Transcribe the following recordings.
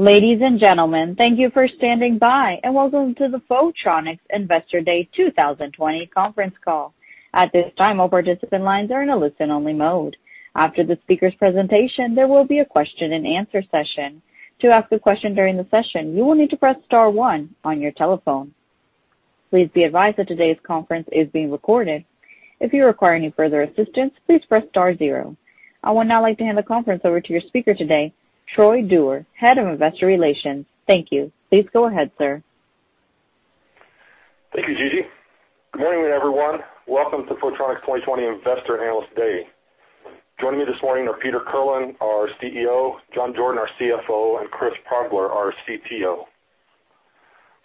Ladies and gentlemen, thank you for standing by and welcome to the Photronics Investor Day 2020 conference call. At this time, all participant lines are in a listen-only mode. After the speaker's presentation, there will be a question-and-answer session. To ask a question during the session, you will need to press star one on your telephone. Please be advised that today's conference is being recorded. If you require any further assistance, please press star zero. I would now like to hand the conference over to your speaker today, Troy Dewar, Head of Investor Relations. Thank you. Please go ahead, sir. Thank you, Gigi. Good morning, everyone. Welcome to Photronics 2020 Investor Analyst Day. Joining me this morning are Peter Kirlin, our CEO; John Jordan, our CFO; and Chris Progler, our CTO.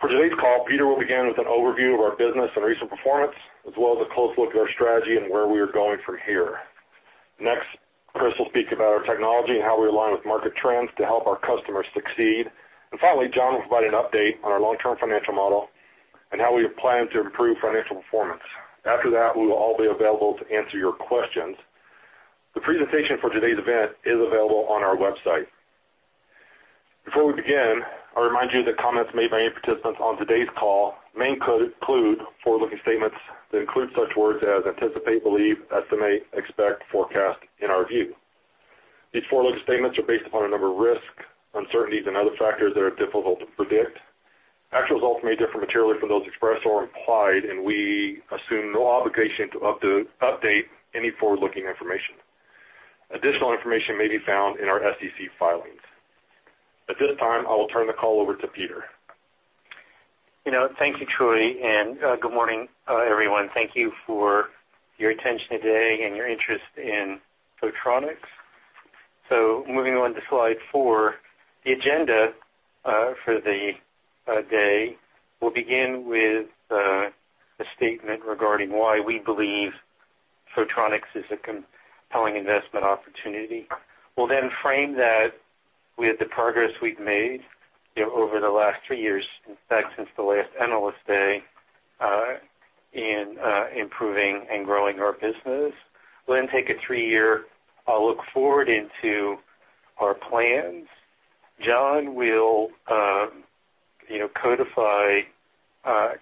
For today's call, Peter will begin with an overview of our business and recent performance, as well as a close look at our strategy and where we are going from here. Next, Chris will speak about our technology and how we align with market trends to help our customers succeed. And finally, John will provide an update on our long-term financial model and how we plan to improve financial performance. After that, we will all be available to answer your questions. The presentation for today's event is available on our website. Before we begin, I remind you that comments made by any participants on today's call may include forward-looking statements that include such words as anticipate, believe, estimate, expect, forecast, in our view. These forward-looking statements are based upon a number of risks, uncertainties, and other factors that are difficult to predict. Actual results may differ materially from those expressed or implied, and we assume no obligation to update any forward-looking information. Additional information may be found in our SEC filings. At this time, I will turn the call over to Peter. Thank you, Troy, and good morning, everyone. Thank you for your attention today and your interest in Photronics. So moving on to slide four, the agenda for the day will begin with a statement regarding why we believe Photronics is a compelling investment opportunity. We'll then frame that with the progress we've made over the last three years, in fact, since the last analyst day, in improving and growing our business. We'll then take a three-year look forward into our plans. John will codify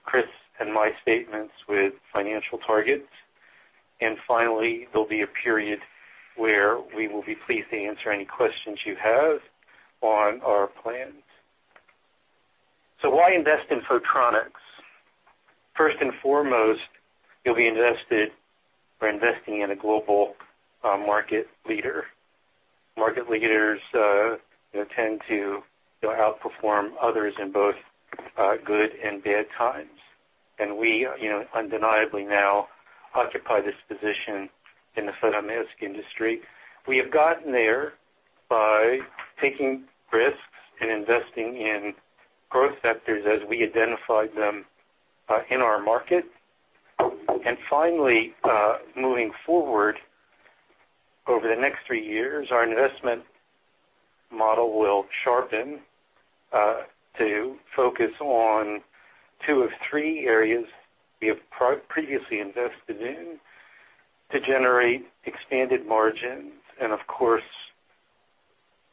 Chris and my statements with financial targets. And finally, there'll be a period where we will be pleased to answer any questions you have on our plans. So why invest in Photronics? First and foremost, you'll be invested or investing in a global market leader. Market leaders tend to outperform others in both good and bad times. We undeniably now occupy this position in the photomask industry. We have gotten there by taking risks and investing in growth sectors as we identify them in our market. Finally, moving forward over the next three years, our investment model will sharpen to focus on two of three areas we have previously invested in to generate expanded margins. Of course,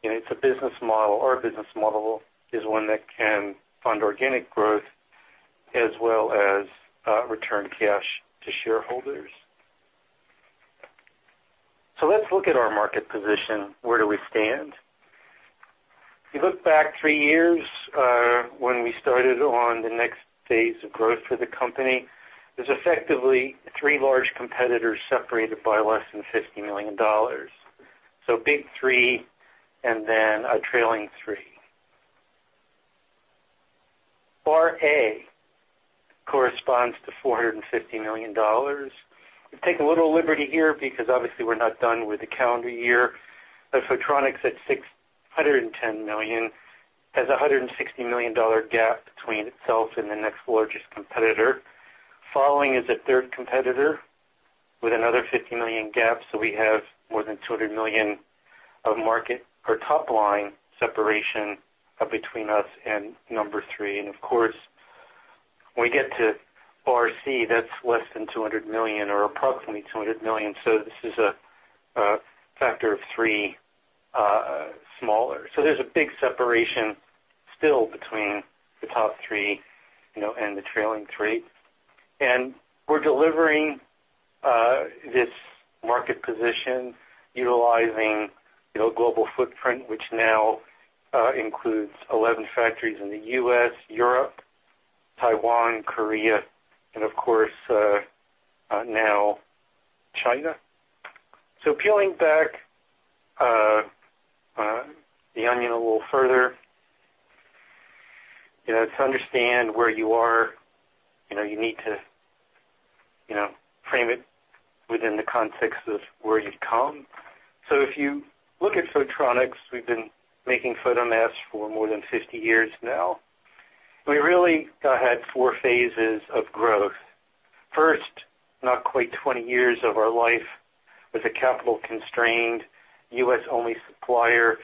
it's a business model. Our business model is one that can fund organic growth as well as return cash to shareholders. Let's look at our market position. Where do we stand? If you look back three years when we started on the next phase of growth for the company, there's effectively three large competitors separated by less than $50 million. Big three and then a trailing three. Our revenue corresponds to $450 million. We've taken a little liberty here because obviously we're not done with the calendar year. Photronics at $610 million has a $160 million gap between itself and the next largest competitor. Following is a third competitor with another $50 million gap. We have more than $200 million of market or top-line separation between us and number three. Of course, when we get to ROIC, that's less than $200 million or approximately $200 million. This is a factor of three smaller. There's a big separation still between the top three and the trailing three. We're delivering this market position utilizing global footprint, which now includes 11 factories in the U.S., Europe, Taiwan, Korea, and of course, now China. Peeling back the onion a little further, to understand where you are, you need to frame it within the context of where you've come. If you look at Photronics, we've been making photomasks for more than 50 years now. We really had four phases of growth. First, not quite 20 years of our life as a capital-constrained U.S.-only supplier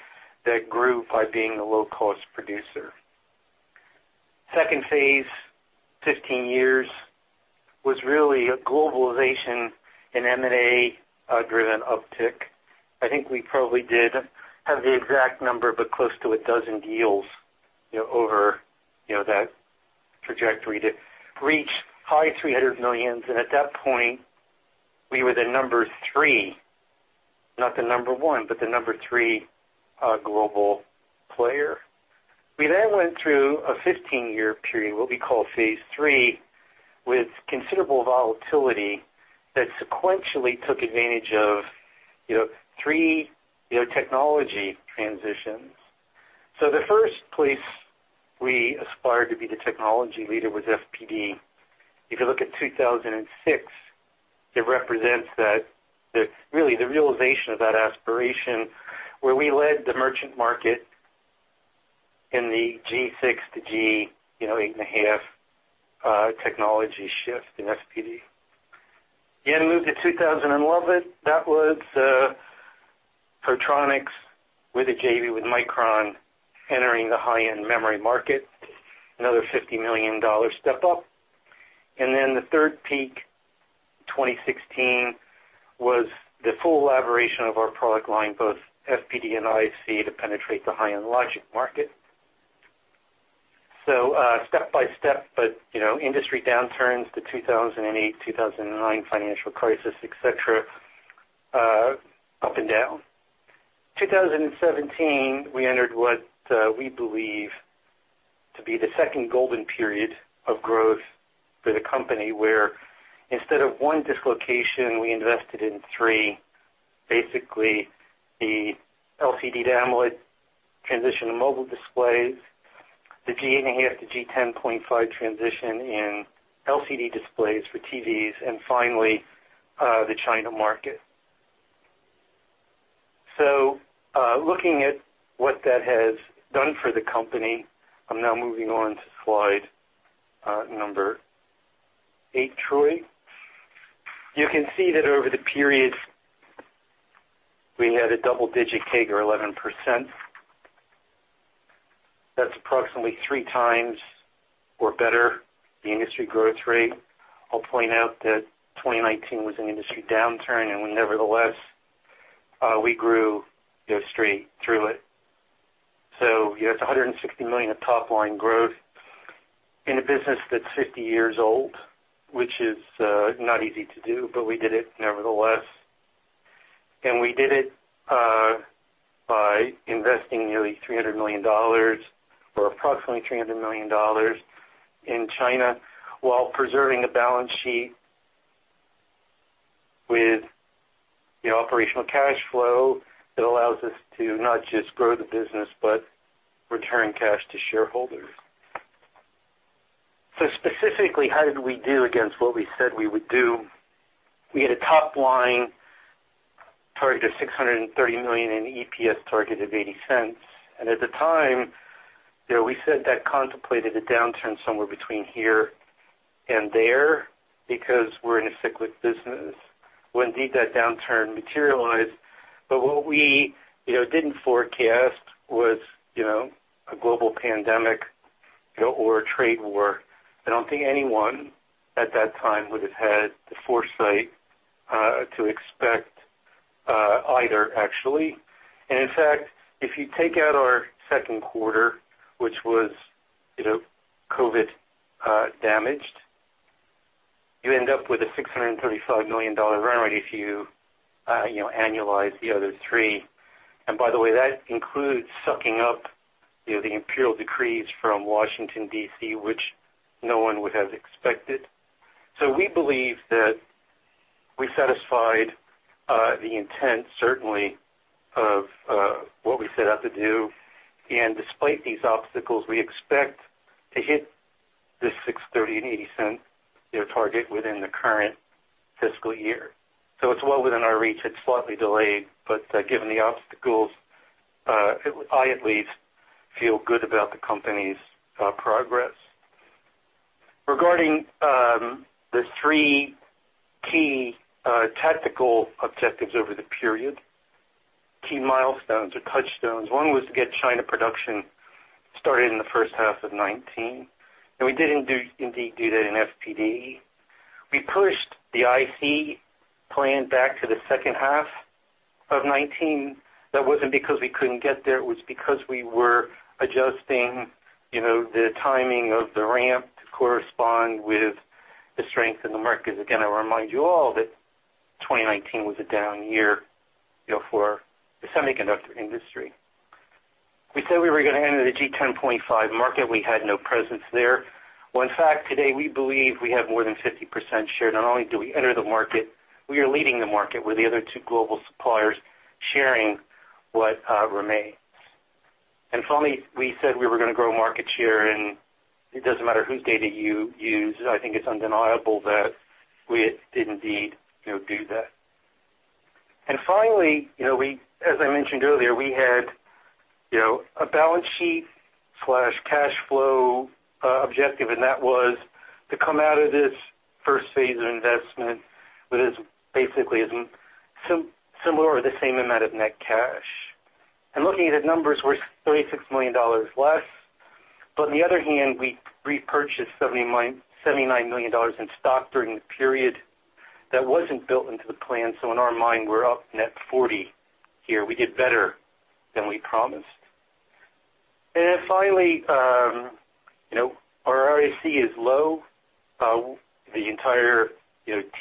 that grew by being a low-cost producer. Second phase, 15 years, was really a globalization and M&A-driven uptick. I think we probably did have the exact number, but close to a dozen deals over that trajectory to reach high $300 million. And at that point, we were the number three, not the number one, but the number three global player. We then went through a 15-year period, what we call phase three, with considerable volatility that sequentially took advantage of three technology transitions. The first place we aspired to be the technology leader was FPD. If you look at 2006, it represents that really the realization of that aspiration where we led the merchant market in the G6 to G8.5 technology shift in FPD. Then moved to 2011. That was Photronics with a JV with Micron entering the high-end memory market, another $50 million step up. And then the third peak in 2016 was the full elaboration of our product line, both FPD and IC, to penetrate the high-end logic market. Step by step, but industry downturns to 2008, 2009 financial crisis, etc., up and down. In 2017, we entered what we believe to be the second golden period of growth for the company where instead of one dislocation, we invested in three, basically the LCD to AMOLED transition to mobile displays, the G8.5-G10.5 transition in LCD displays for TVs, and finally the China market. So looking at what that has done for the company, I'm now moving on to slide number eight, Troy. You can see that over the period, we had a double-digit CAGR, 11%. That's approximately three times or better the industry growth rate. I'll point out that 2019 was an industry downturn, and nevertheless, we grew straight through it. So it's $160 million of top-line growth in a business that's 50 years old, which is not easy to do, but we did it nevertheless. And we did it by investing nearly $300 million or approximately $300 million in China while preserving the balance sheet with the operational cash flow that allows us to not just grow the business, but return cash to shareholders. So specifically, how did we do against what we said we would do? We had a top-line target of $630 million and an EPS target of $0.80. At the time, we said that contemplated a downturn somewhere between here and there because we're in a cyclical business. When indeed that downturn materialized, but what we didn't forecast was a global pandemic or a trade war. I don't think anyone at that time would have had the foresight to expect either, actually. And in fact, if you take out our second quarter, which was COVID-damaged, you end up with a $635 million run rate if you annualize the other three. And by the way, that includes sucking up the imperial decrees from Washington, D.C., which no one would have expected. So we believe that we satisfied the intent, certainly, of what we set out to do. And despite these obstacles, we expect to hit the $630 million and $0.80 target within the current fiscal year. So it's well within our reach. It's slightly delayed, but given the obstacles, I at least feel good about the company's progress. Regarding the three key tactical objectives over the period, key milestones or touchstones, one was to get China production started in the first half of 2019, and we did indeed do that in FPD. We pushed the IC plan back to the second half of 2019. That wasn't because we couldn't get there. It was because we were adjusting the timing of the ramp to correspond with the strength in the market. Again, I remind you all that 2019 was a down year for the semiconductor industry. We said we were going to enter the G10.5 market. We had no presence there. Well, in fact, today we believe we have more than 50% share. Not only do we enter the market, we are leading the market. We're the other two global suppliers sharing what remains. And finally, we said we were going to grow market share, and it doesn't matter whose data you use. I think it's undeniable that we did indeed do that. And finally, as I mentioned earlier, we had a balance sheet/cash flow objective, and that was to come out of this first phase of investment with basically similar or the same amount of net cash. And looking at the numbers, we're $36 million less. But on the other hand, we repurchased $79 million in stock during the period that wasn't built into the plan. So in our mind, we're up net $40 million here. We did better than we promised. And then finally, our ROIC is low. The entire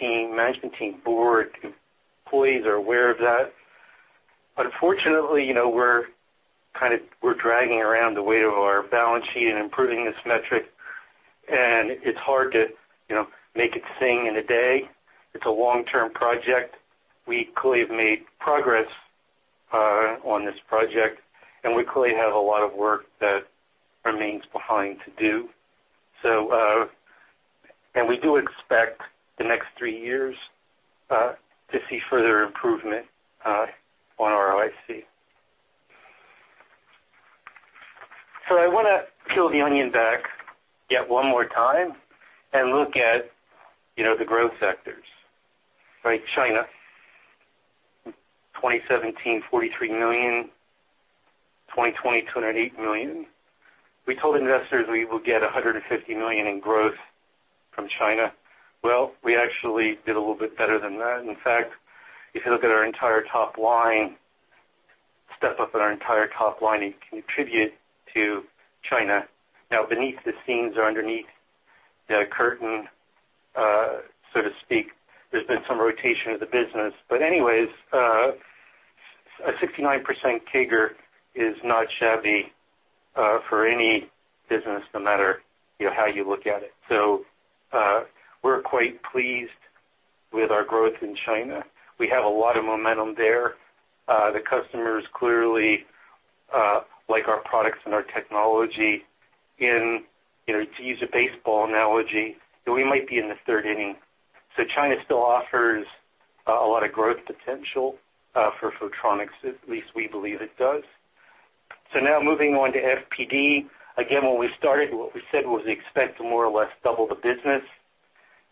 management team, board, employees are aware of that. Unfortunately, we're kind of dragging around the weight of our balance sheet and improving this metric, and it's hard to make it sing in a day. It's a long-term project. We clearly have made progress on this project, and we clearly have a lot of work that remains behind to do. And we do expect the next three years to see further improvement on our ROIC. So I want to peel the onion back yet one more time and look at the growth sectors. Right? China, 2017, $43 million. 2020, $208 million. We told investors we will get $150 million in growth from China. Well, we actually did a little bit better than that. In fact, if you look at our entire top line, step up on our entire top line, it can contribute to China. Now, beneath the scenes or underneath the curtain, so to speak, there's been some rotation of the business. But anyways, a 69% CAGR is not shabby for any business, no matter how you look at it. So we're quite pleased with our growth in China. We have a lot of momentum there. The customers clearly like our products and our technology. To use a baseball analogy, we might be in the third inning. So China still offers a lot of growth potential for Photronics. At least we believe it does. So now moving on to FPD. Again, when we started, what we said was expect to more or less double the business,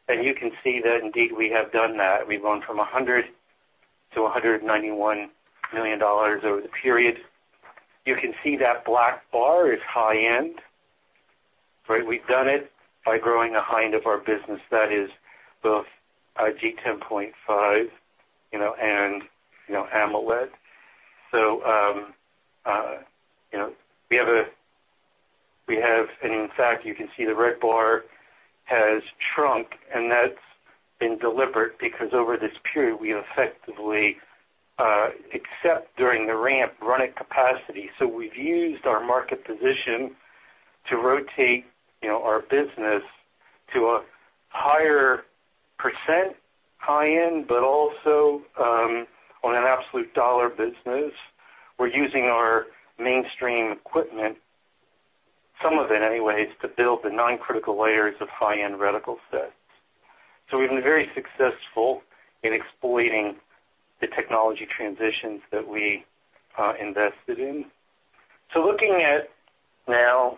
and you can see that indeed we have done that. We've gone from $100 million-$191 million over the period. You can see that black bar is high-end. Right? We've done it by growing a high-end of our business. That is both G10.5 and AMOLED, so we have a, and in fact, you can see the red bar has shrunk, and that's been deliberate because over this period, we have effectively, except during the ramp, run at capacity, so we've used our market position to rotate our business to a higher percent high-end, but also on an absolute dollar business. We're using our mainstream equipment, some of it anyways, to build the non-critical layers of high-end reticle sets. So we've been very successful in exploiting the technology transitions that we invested in, so looking at now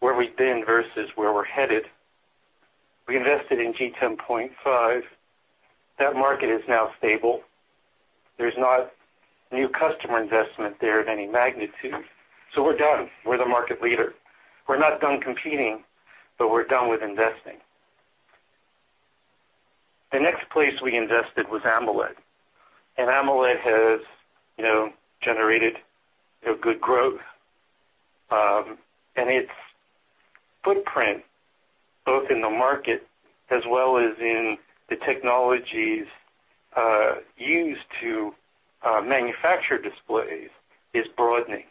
where we've been versus where we're headed, we invested in G10.5. That market is now stable. There's not new customer investment there of any magnitude, so we're done. We're the market leader. We're not done competing, but we're done with investing. The next place we invested was AMOLED. And AMOLED has generated good growth. And its footprint, both in the market as well as in the technologies used to manufacture displays, is broadening.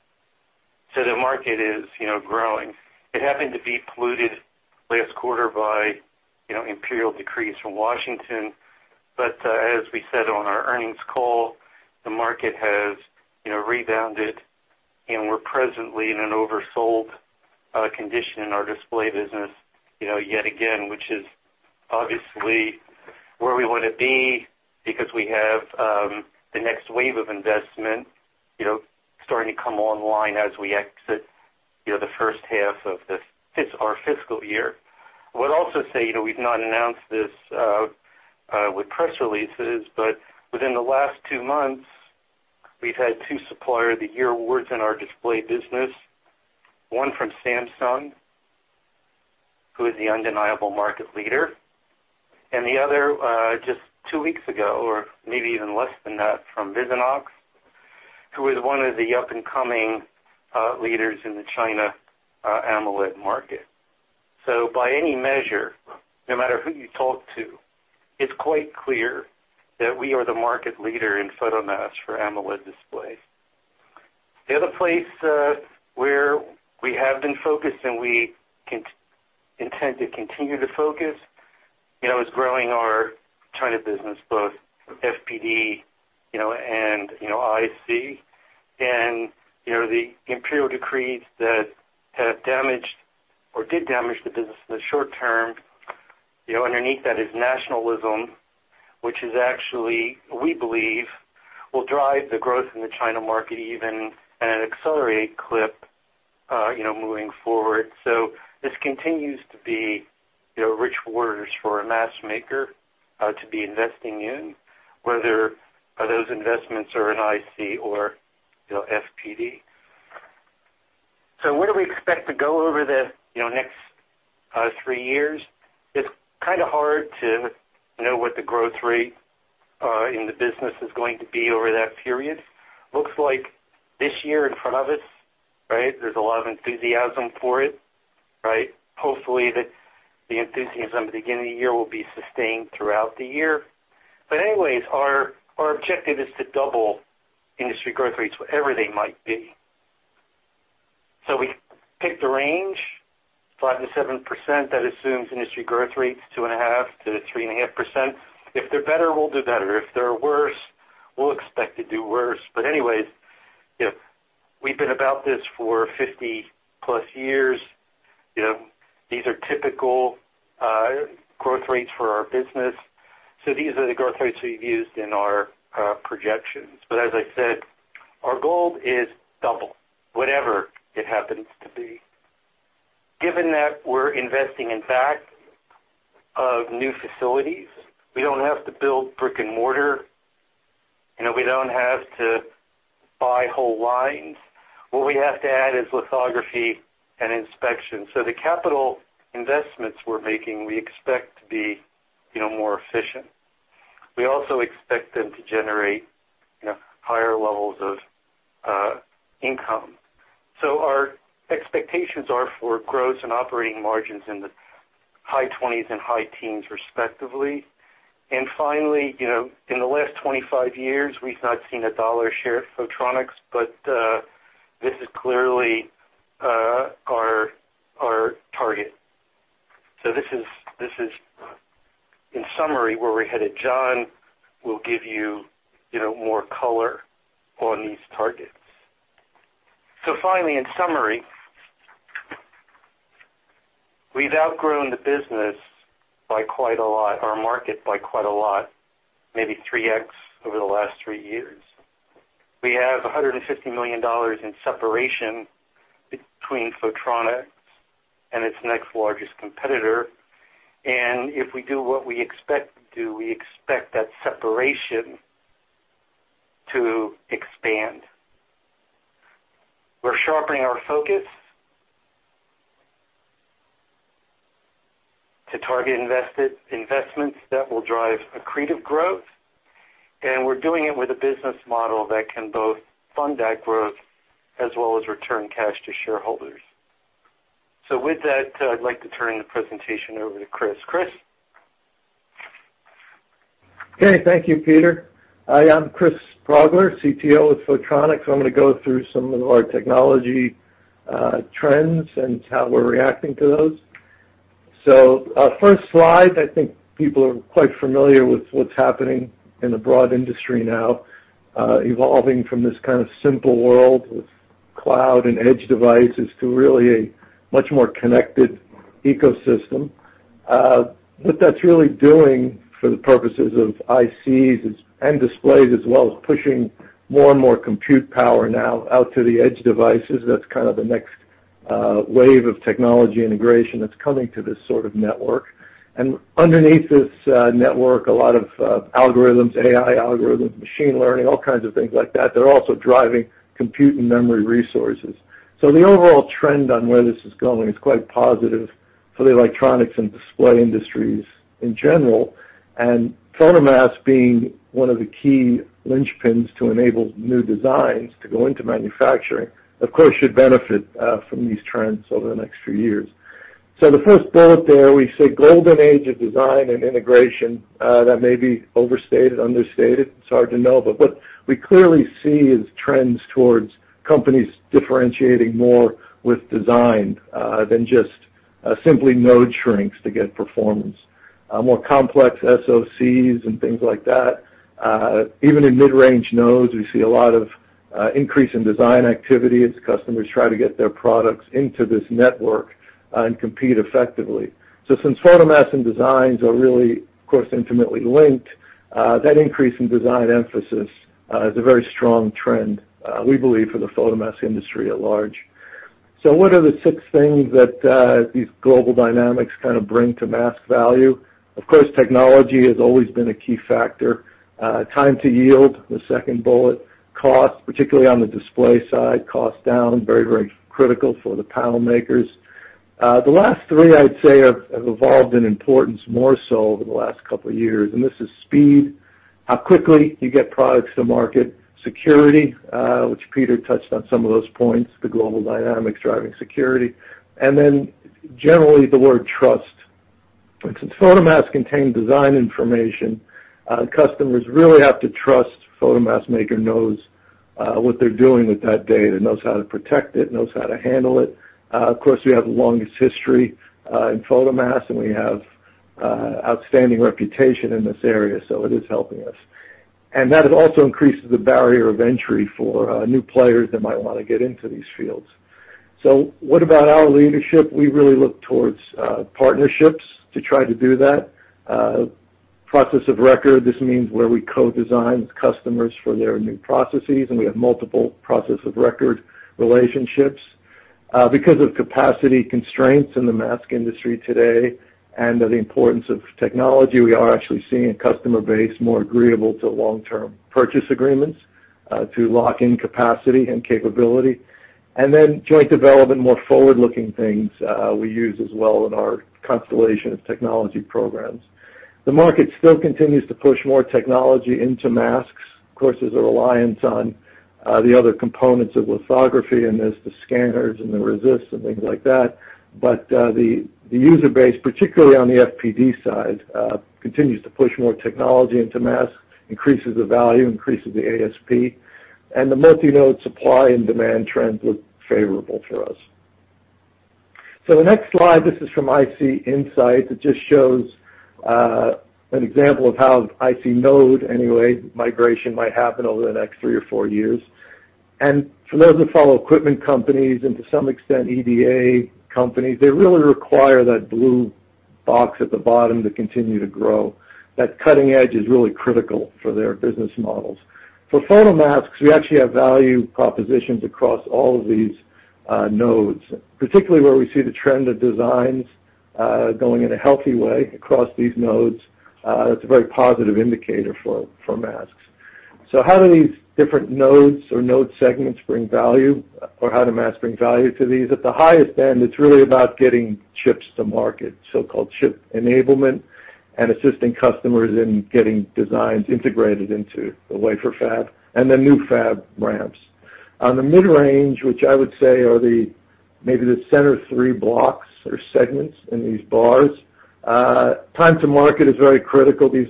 So the market is growing. It happened to be polluted last quarter by imperial decrees from Washington. But as we said on our earnings call, the market has rebounded, and we're presently in an oversold condition in our display business yet again, which is obviously where we want to be because we have the next wave of investment starting to come online as we exit the first half of our fiscal year. I would also say we've not announced this with press releases, but within the last two months, we've had two Supplier of the Year awards in our display business, one from Samsung, who is the undeniable market leader, and the other just two weeks ago, or maybe even less than that, from Visionox, who is one of the up-and-coming leaders in the China AMOLED market. So by any measure, no matter who you talk to, it's quite clear that we are the market leader in photomask for AMOLED displays. The other place where we have been focused and we intend to continue to focus is growing our China business, both FPD and IC. The imperial decrees that have damaged or did damage the business in the short term, underneath that is nationalism, which is actually, we believe, will drive the growth in the China market even and accelerate clip moving forward. This continues to be rich waters for a mask maker to be investing in, whether those investments are in IC or FPD. What do we expect to go over the next three years? It's kind of hard to know what the growth rate in the business is going to be over that period. Looks like this year in front of us, right? There's a lot of enthusiasm for it. Right? Hopefully, the enthusiasm at the beginning of the year will be sustained throughout the year. Anyways, our objective is to double industry growth rates, whatever they might be. We picked a range, 5%-7%. That assumes industry growth rates of 2.5%-3.5%. If they're better, we'll do better. If they're worse, we'll expect to do worse. But anyways, we've been about this for 50-plus years. These are typical growth rates for our business. So these are the growth rates we've used in our projections. But as I said, our goal is double, whatever it happens to be. Given that we're investing in back of new facilities, we don't have to build brick and mortar. We don't have to buy whole lines. What we have to add is lithography and inspection. So the capital investments we're making, we expect to be more efficient. We also expect them to generate higher levels of income. So our expectations are for growth and operating margins in the high 20s and high teens, respectively. Finally, in the last 25 years, we've not seen a dollar share of Photronics, but this is clearly our target. This is, in summary, where we're headed. John will give you more color on these targets. Finally, in summary, we've outgrown the business by quite a lot, our market by quite a lot, maybe 3x over the last three years. We have $150 million in separation between Photronics and its next largest competitor. If we do what we expect to do, we expect that separation to expand. We're sharpening our focus to target investments that will drive accretive growth. We're doing it with a business model that can both fund that growth as well as return cash to shareholders. With that, I'd like to turn the presentation over to Chris. Chris. Okay. Thank you, Peter. I am Chris Progler, CTO of Photronics. I'm going to go through some of our technology trends and how we're reacting to those, so first slide, I think people are quite familiar with what's happening in the broad industry now, evolving from this kind of simple world with cloud and edge devices to really a much more connected ecosystem. What that's really doing for the purposes of ICs and displays, as well as pushing more and more compute power now out to the edge devices, that's kind of the next wave of technology integration that's coming to this sort of network, and underneath this network, a lot of algorithms, AI algorithms, machine learning, all kinds of things like that. They're also driving compute and memory resources, so the overall trend on where this is going is quite positive for the electronics and display industries in general. Photomask being one of the key linchpins to enable new designs to go into manufacturing, of course, should benefit from these trends over the next few years. The first bullet there, we say golden age of design and integration. That may be overstated, understated. It's hard to know. What we clearly see is trends towards companies differentiating more with design than just simply node shrinks to get performance, more complex SOCs and things like that. Even in mid-range nodes, we see a lot of increase in design activity as customers try to get their products into this network and compete effectively. Since photomask and designs are really, of course, intimately linked, that increase in design emphasis is a very strong trend, we believe, for the photomask industry at large. What are the six things that these global dynamics kind of bring to mask value? Of course, technology has always been a key factor. Time to yield, the second bullet. Cost, particularly on the display side, cost down, very, very critical for the panel makers. The last three, I'd say, have evolved in importance more so over the last couple of years. And this is speed, how quickly you get products to market, security, which Peter touched on some of those points, the global dynamics driving security. And then generally the word trust. Since photomask contains design information, customers really have to trust photomask maker knows what they're doing with that data, knows how to protect it, knows how to handle it. Of course, we have the longest history in photomask, and we have outstanding reputation in this area, so it is helping us. And that also increases the barrier of entry for new players that might want to get into these fields. So what about our leadership? We really look towards partnerships to try to do that. process of record, this means where we co-design with customers for their new processes, and we have multiple process of record relationships. Because of capacity constraints in the mask industry today and the importance of technology, we are actually seeing a customer base more agreeable to long-term purchase agreements to lock in capacity and capability. And then joint development, more forward-looking things we use as well in our constellation of technology programs. The market still continues to push more technology into masks. Of course, there's a reliance on the other components of lithography and the scanners and the resists and things like that. But the user base, particularly on the FPD side, continues to push more technology into masks, increases the value, increases the ASP. The multi-node supply and demand trends look favorable for us. The next slide, this is from IC Insights. It just shows an example of how IC node, anyway, migration might happen over the next three or four years. For those that follow equipment companies and to some extent EDA companies, they really require that blue box at the bottom to continue to grow. That cutting edge is really critical for their business models. For Photronics, we actually have value propositions across all of these nodes, particularly where we see the trend of designs going in a healthy way across these nodes. It's a very positive indicator for masks. How do these different nodes or node segments bring value, or how do masks bring value to these? At the highest end, it's really about getting chips to market, so-called chip enablement, and assisting customers in getting designs integrated into the wafer fab and the new fab ramps. On the mid-range, which I would say are maybe the center three blocks or segments in these bars, time to market is very critical. These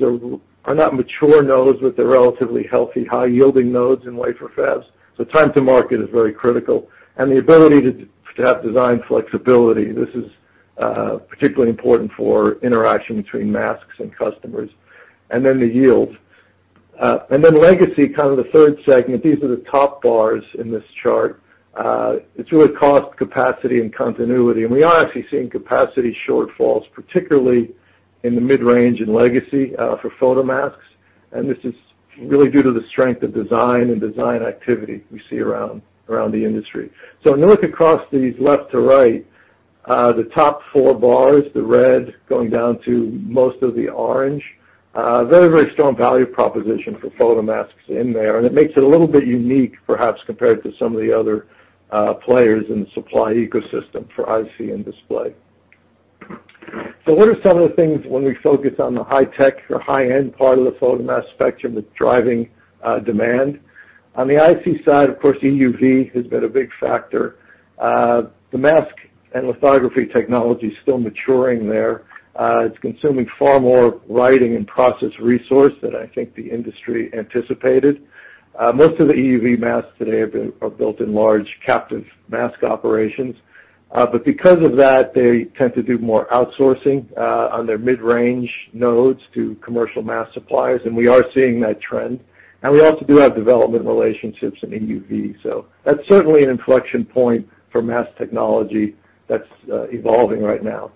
are not mature nodes, but they're relatively healthy, high-yielding nodes in wafer fabs. So time to market is very critical. And the ability to have design flexibility, this is particularly important for interaction between masks and customers. And then the yield. And then legacy, kind of the third segment, these are the top bars in this chart. It's really cost, capacity, and continuity. And we are actually seeing capacity shortfalls, particularly in the mid-range and legacy for photomask. This is really due to the strength of design and design activity we see around the industry. When you look across these left to right, the top four bars, the red going down to most of the orange, very, very strong value proposition for photomask in there. It makes it a little bit unique, perhaps, compared to some of the other players in the supply ecosystem for IC and display. What are some of the things when we focus on the high-tech or high-end part of the photomask spectrum that's driving demand? On the IC side, of course, EUV has been a big factor. The mask and lithography technology is still maturing there. It's consuming far more writing and process resource than I think the industry anticipated. Most of the EUV masks today are built in large captive mask operations. But because of that, they tend to do more outsourcing on their mid-range nodes to commercial mask suppliers. And we are seeing that trend. And we also do have development relationships in EUV. So that's certainly an inflection point for mask technology that's evolving right now.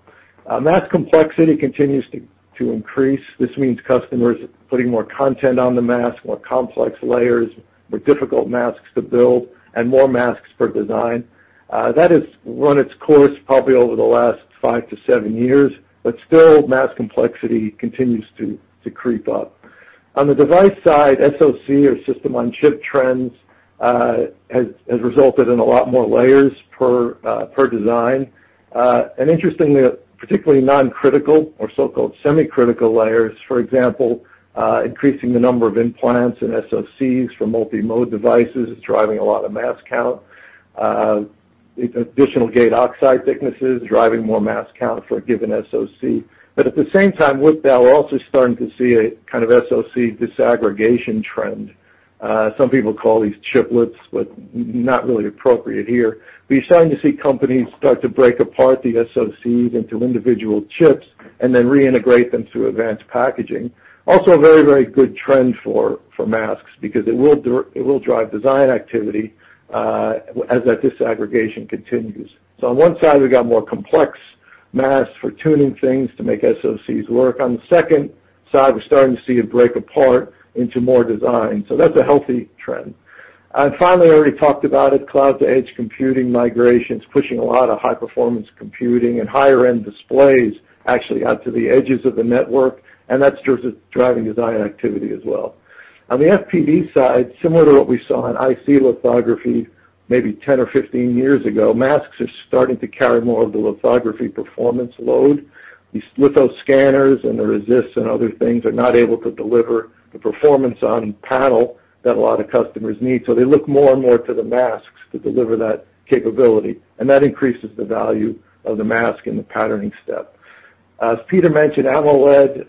Mask complexity continues to increase. This means customers putting more content on the mask, more complex layers, more difficult masks to build, and more masks per design. That has run its course probably over the last five to seven years, but still, mask complexity continues to creep up. On the device side, SOC or system-on-chip trends has resulted in a lot more layers per design. And interestingly, particularly non-critical or so-called semi-critical layers, for example, increasing the number of implants and SOCs for multi-mode devices is driving a lot of mask count. Additional gate oxide thicknesses are driving more mask count for a given SOC. But at the same time with that, we're also starting to see a kind of SOC disaggregation trend. Some people call these chiplets, but not really appropriate here. We're starting to see companies start to break apart the SOCs into individual chips and then reintegrate them through advanced packaging. Also a very, very good trend for masks because it will drive design activity as that disaggregation continues. So on one side, we've got more complex masks for tuning things to make SOCs work. On the second side, we're starting to see a break apart into more design. So that's a healthy trend. And finally, I already talked about it, cloud-to-edge computing migrations pushing a lot of high-performance computing and higher-end displays actually out to the edges of the network. And that's driving design activity as well. On the FPD side, similar to what we saw in IC lithography maybe 10 or 15 years ago, masks are starting to carry more of the lithography performance load. These lithoscanners and the resists and other things are not able to deliver the performance on panel that a lot of customers need. So they look more and more to the masks to deliver that capability. And that increases the value of the mask in the patterning step. As Peter mentioned, AMOLED,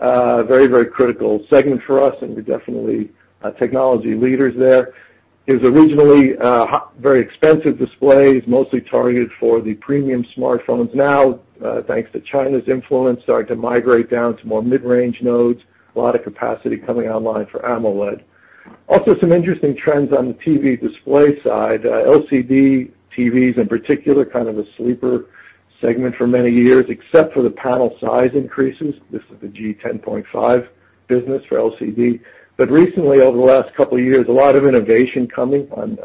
very, very critical segment for us, and we're definitely technology leaders there. It was originally very expensive displays, mostly targeted for the premium smartphones. Now, thanks to China's influence, starting to migrate down to more mid-range nodes, a lot of capacity coming online for AMOLED. Also some interesting trends on the TV display side, LCD TVs in particular, kind of a sleeper segment for many years, except for the panel size increases. This is the G10.5 business for LCD. But recently, over the last couple of years, a lot of innovation coming on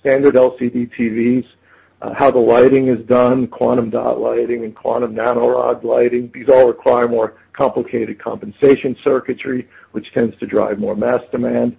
standard LCD TVs, how the lighting is done, quantum dot lighting and quantum nanorod lighting. These all require more complicated compensation circuitry, which tends to drive more mask demand.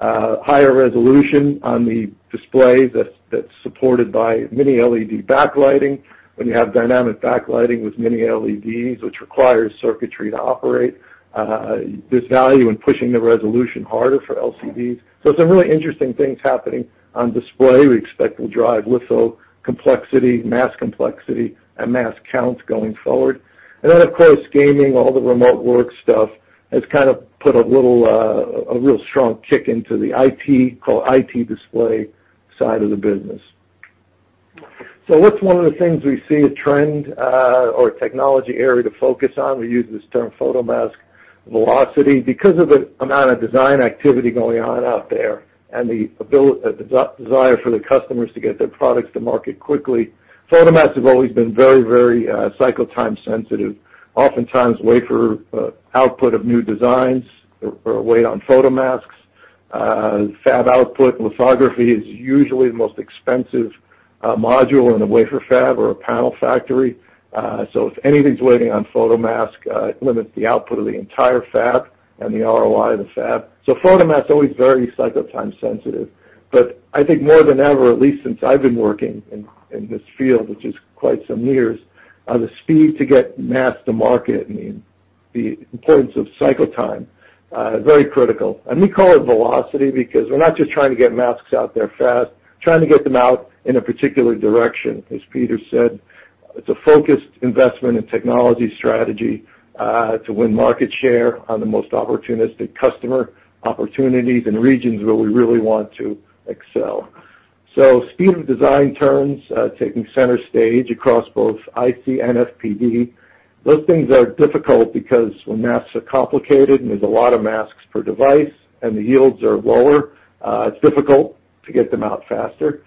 Higher resolution on the display that's supported by Mini-LED backlighting. When you have dynamic backlighting with Mini-LEDs, which requires circuitry to operate, there's value in pushing the resolution harder for LCDs. So some really interesting things happening on display. We expect we'll drive litho-complexity, mask complexity, and mask counts going forward. Then, of course, gaming, all the remote work stuff has kind of put a real strong kick into the FPD, called FPD display side of the business. So what is one of the things we see as a trend or a technology area to focus on? We use this term Photomask Velocity. Because of the amount of design activity going on out there and the desire for the customers to get their products to market quickly, photomask has always been very, very cycle-time sensitive. Oftentimes, wafer output of new designs is waiting on photomask. Fab output lithography is usually the most expensive module in a wafer fab or a panel factory. So if anything's waiting on photomask, it limits the output of the entire fab and the ROI of the fab. So photomask is always very cycle-time sensitive. But I think more than ever, at least since I've been working in this field, which is quite some years, the speed to get masks to market and the importance of cycle time is very critical. And we call it velocity because we're not just trying to get masks out there fast, trying to get them out in a particular direction. As Peter said, it's a focused investment in technology strategy to win market share on the most opportunistic customer opportunities in regions where we really want to excel. So speed of design turns taking center stage across both IC and FPD. Those things are difficult because when masks are complicated and there's a lot of masks per device and the yields are lower, it's difficult to get them out faster.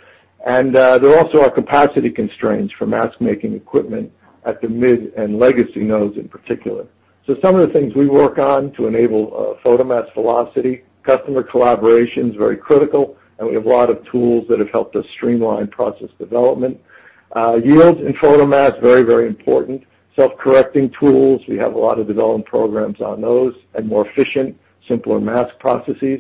And there also are capacity constraints for mask-making equipment at the mid and legacy nodes in particular. So, some of the things we work on to enable Photomask Velocity. Customer collaboration is very critical, and we have a lot of tools that have helped us streamline process development. Yields in photomask are very, very important. Self-correcting tools. We have a lot of development programs on those and more efficient, simpler mask processes.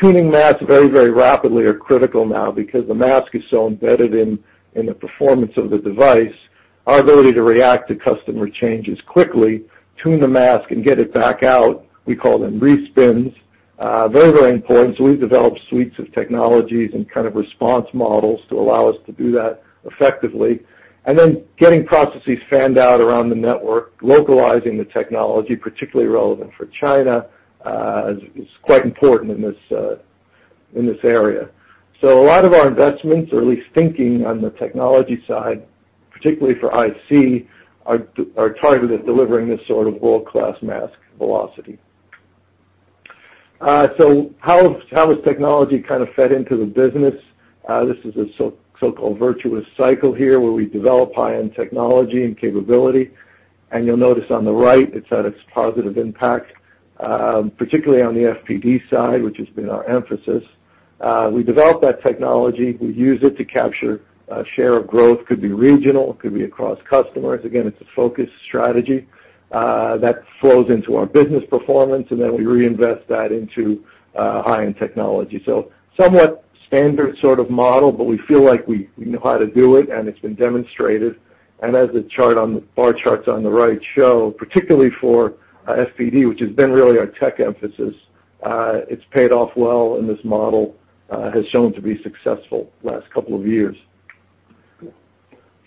Tuning masks very, very rapidly are critical now because the mask is so embedded in the performance of the device. Our ability to react to customer changes quickly, tune the mask, and get it back out, we call them respins, very, very important, so we've developed suites of technologies and kind of response models to allow us to do that effectively, and then getting processes fanned out around the network, localizing the technology, particularly relevant for China, is quite important in this area. A lot of our investments, or at least thinking on the technology side, particularly for IC, are targeted at delivering this sort of world-class mask velocity. So how has technology kind of fed into the business? This is a so-called virtuous cycle here where we develop high-end technology and capability. And you'll notice on the right, it's had its positive impact, particularly on the FPD side, which has been our emphasis. We develop that technology. We use it to capture a share of growth. It could be regional. It could be across customers. Again, it's a focus strategy that flows into our business performance, and then we reinvest that into high-end technology. So somewhat standard sort of model, but we feel like we know how to do it, and it's been demonstrated. And as the bar charts on the right show, particularly for FPD, which has been really our tech emphasis, it's paid off well in this model, has shown to be successful the last couple of years.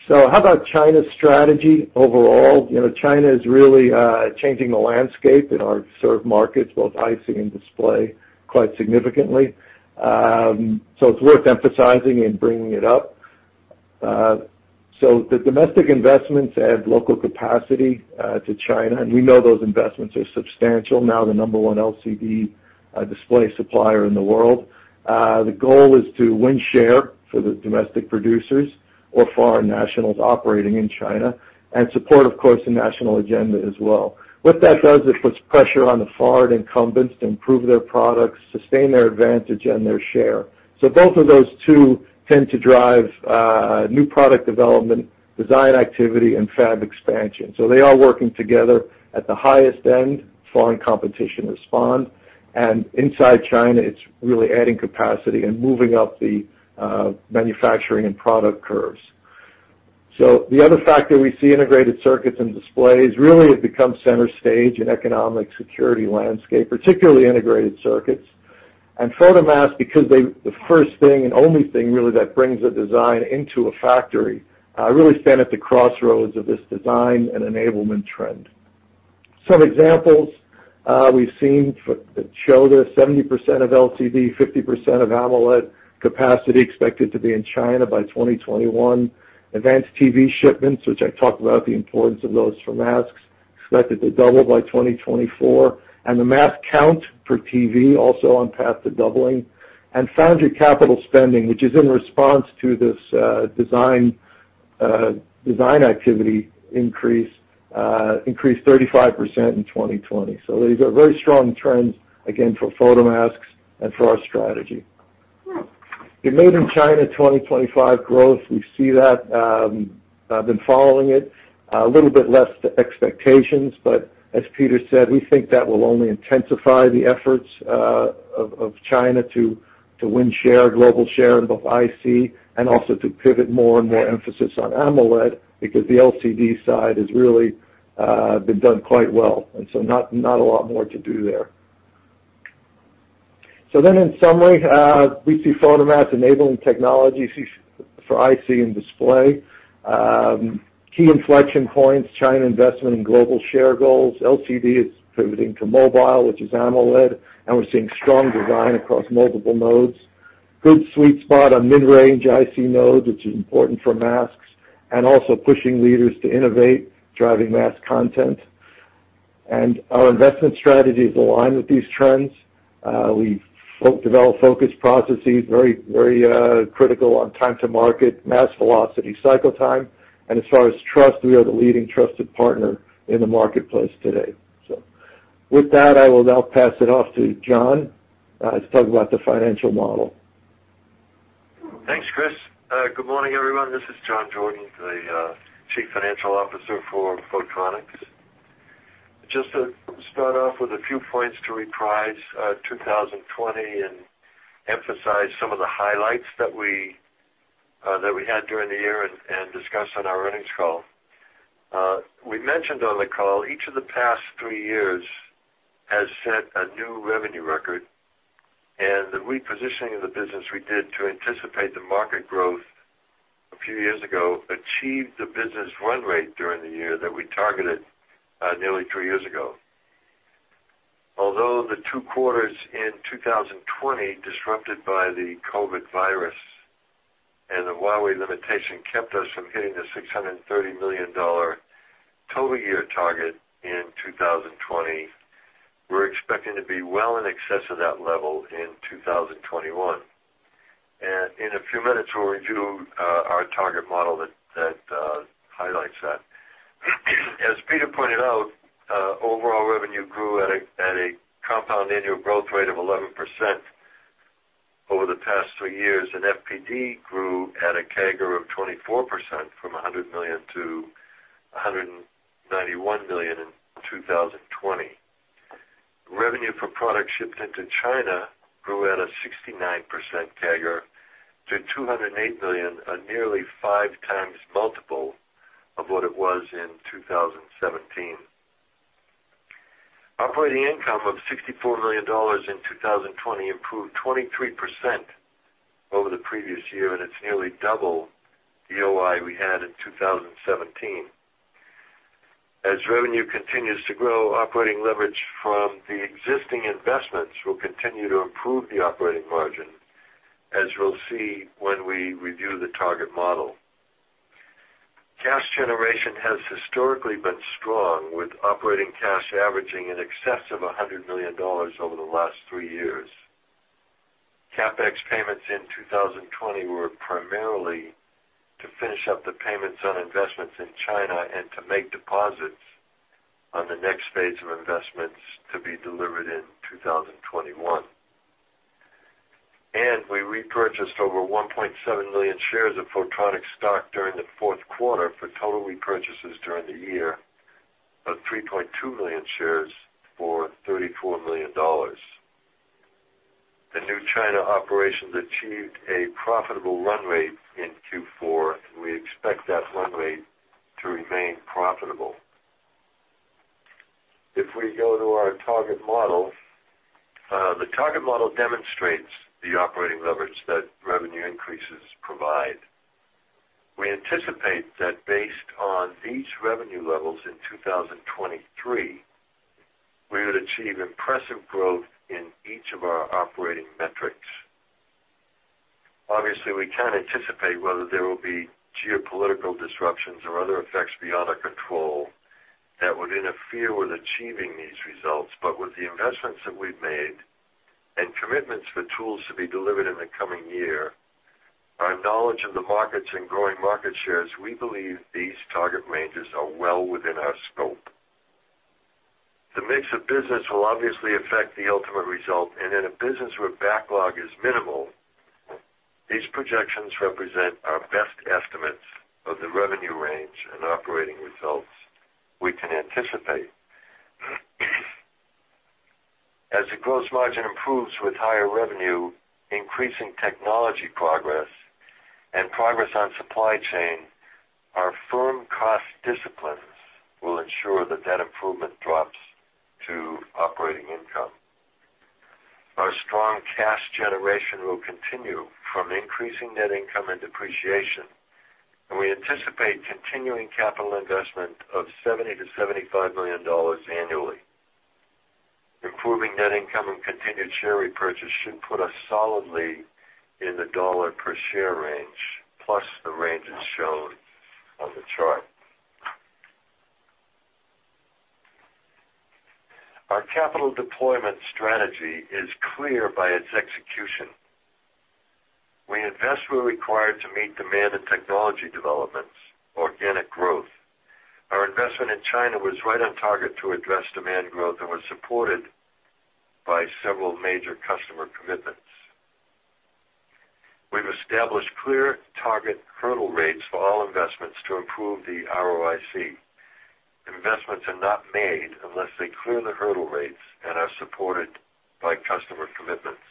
So how about China's strategy overall? China is really changing the landscape in our sort of markets, both IC and display, quite significantly. So it's worth emphasizing and bringing it up. So the domestic investments add local capacity to China, and we know those investments are substantial. Now, the number one LCD display supplier in the world. The goal is to win share for the domestic producers or foreign nationals operating in China and support, of course, the national agenda as well. What that does, it puts pressure on the foreign incumbents to improve their products, sustain their advantage, and their share. So both of those two tend to drive new product development, design activity, and fab expansion. So they are working together at the highest end, foreign competition respond. And inside China, it's really adding capacity and moving up the manufacturing and product curves. So the other factor we see, integrated circuits and displays, really have become center stage in economic security landscape, particularly integrated circuits. And photomask, because they're the first thing and only thing really that brings a design into a factory, really stand at the crossroads of this design and enablement trend. Some examples we've seen that show this: 70% of LCD, 50% of AMOLED capacity expected to be in China by 2021. Advanced TV shipments, which I talked about the importance of those for masks, expected to double by 2024. And the mask count per TV also on path to doubling. Foundry capital spending, which is in response to this design activity increase, increased 35% in 2020. These are very strong trends, again, for photomask and for our strategy. The Made in China 2025 growth, we see that. I've been following it, a little bit less than expectations. As Peter said, we think that will only intensify the efforts of China to win share, global share in both IC and also to pivot more and more emphasis on AMOLED because the LCD side has really been done quite well. Not a lot more to do there. In summary, we see photomask enabling technology for IC and display. Key inflection points: China investment in global share goals. LCD is pivoting to mobile, which is AMOLED, and we're seeing strong design across multiple nodes. Good sweet spot on mid-range IC nodes, which is important for masks, and also pushing leaders to innovate, driving mask content. And our investment strategy is aligned with these trends. We develop focused processes, very critical on time to market, mask velocity, cycle time. And as far as trust, we are the leading trusted partner in the marketplace today. So with that, I will now pass it off to John to talk about the financial model. Thanks, Chris. Good morning, everyone. This is John Jordan, the Chief Financial Officer for Photronics. Just to start off with a few points to reprise 2020 and emphasize some of the highlights that we had during the year and discussed on our earnings call. We mentioned on the call, each of the past three years has set a new revenue record, and the repositioning of the business we did to anticipate the market growth a few years ago achieved the business run rate during the year that we targeted nearly three years ago. Although the two quarters in 2020, disrupted by the COVID virus and the Huawei limitation, kept us from hitting the $630 million total year target in 2020, we're expecting to be well in excess of that level in 2021, and in a few minutes, we'll review our target model that highlights that. As Peter pointed out, overall revenue grew at a compound annual growth rate of 11% over the past three years, and FPD grew at a CAGR of 24% from $100 million-$191 million in 2020. Revenue for products shipped into China grew at a 69% CAGR to $208 million, a nearly five times multiple of what it was in 2017. Operating income of $64 million in 2020 improved 23% over the previous year, and it's nearly double the OI we had in 2017. As revenue continues to grow, operating leverage from the existing investments will continue to improve the operating margin, as we'll see when we review the target model. Cash generation has historically been strong, with operating cash averaging in excess of $100 million over the last three years. CapEx payments in 2020 were primarily to finish up the payments on investments in China and to make deposits on the next phase of investments to be delivered in 2021, and we repurchased over 1.7 million shares of Photronics stock during the fourth quarter for total repurchases during the year of 3.2 million shares for $34 million. The new China operations achieved a profitable run rate in Q4, and we expect that run rate to remain profitable. If we go to our target model, the target model demonstrates the operating leverage that revenue increases provide. We anticipate that based on these revenue levels in 2023, we would achieve impressive growth in each of our operating metrics. Obviously, we can't anticipate whether there will be geopolitical disruptions or other effects beyond our control that would interfere with achieving these results. But with the investments that we've made and commitments for tools to be delivered in the coming year, our knowledge of the markets and growing market shares, we believe these target ranges are well within our scope. The mix of business will obviously affect the ultimate result. And in a business where backlog is minimal, these projections represent our best estimates of the revenue range and operating results we can anticipate. As the gross margin improves with higher revenue, increasing technology progress, and progress on supply chain, our firm cost disciplines will ensure that that improvement drops to operating income. Our strong cash generation will continue from increasing net income and depreciation. And we anticipate continuing capital investment of $70 million-$75 million annually. Improving net income and continued share repurchase should put us solidly in the dollar per share range, plus the ranges shown on the chart. Our capital deployment strategy is clear by its execution. We invest where required to meet demand and technology developments, organic growth. Our investment in China was right on target to address demand growth and was supported by several major customer commitments. We've established clear target hurdle rates for all investments to improve the ROIC. Investments are not made unless they clear the hurdle rates and are supported by customer commitments.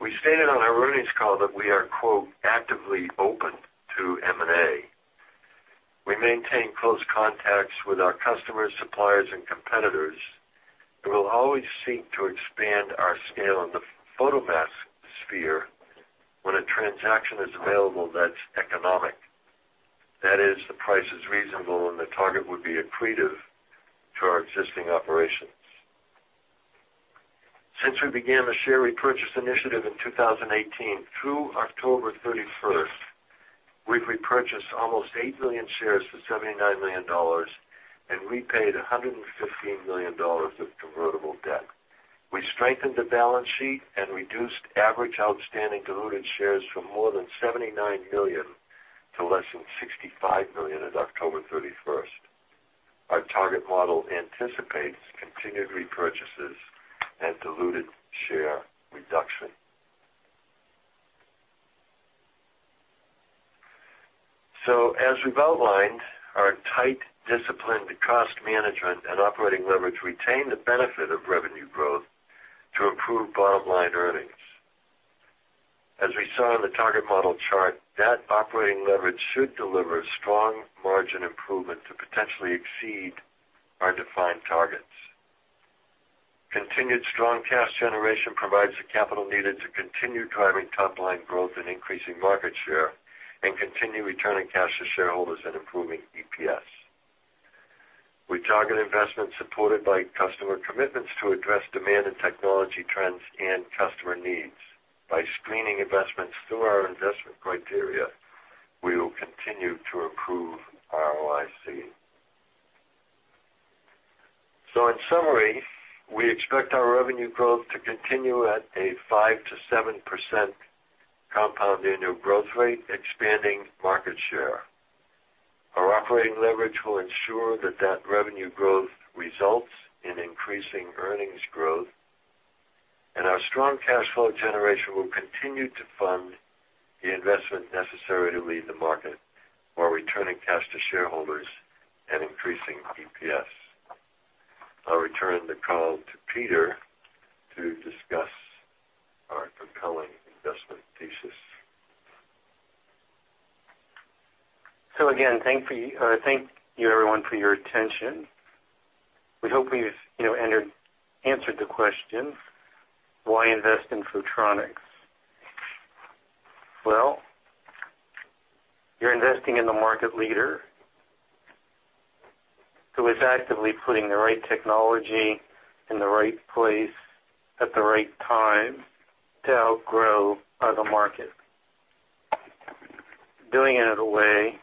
We stated on our earnings call that we are "actively open to M&A." We maintain close contacts with our customers, suppliers, and competitors. We will always seek to expand our scale in the photomask sphere when a transaction is available that's economic. That is, the price is reasonable and the target would be accretive to our existing operations. Since we began the share repurchase initiative in 2018, through October 31st, we've repurchased almost eight million shares for $79 million and repaid $115 million of convertible debt. We strengthened the balance sheet and reduced average outstanding diluted shares from more than 79 million to less than 65 million at October 31st. Our target model anticipates continued repurchases and diluted share reduction, so as we've outlined, our tight discipline, the cost management, and operating leverage retain the benefit of revenue growth to improve bottom line earnings. As we saw in the target model chart, that operating leverage should deliver strong margin improvement to potentially exceed our defined targets. Continued strong cash generation provides the capital needed to continue driving top line growth and increasing market share and continue returning cash to shareholders and improving EPS. We target investments supported by customer commitments to address demand and technology trends and customer needs. By screening investments through our investment criteria, we will continue to improve ROIC. So in summary, we expect our revenue growth to continue at a 5%-7% compound annual growth rate, expanding market share. Our operating leverage will ensure that that revenue growth results in increasing earnings growth. And our strong cash flow generation will continue to fund the investment necessary to lead the market while returning cash to shareholders and increasing EPS. I'll return the call to Peter to discuss our compelling investment thesis. So again, thank you, everyone, for your attention. We hope we've answered the question: why invest in Photronics? Well, you're investing in the market leader who is actively putting the right technology in the right place at the right time to help grow the market, doing it in a way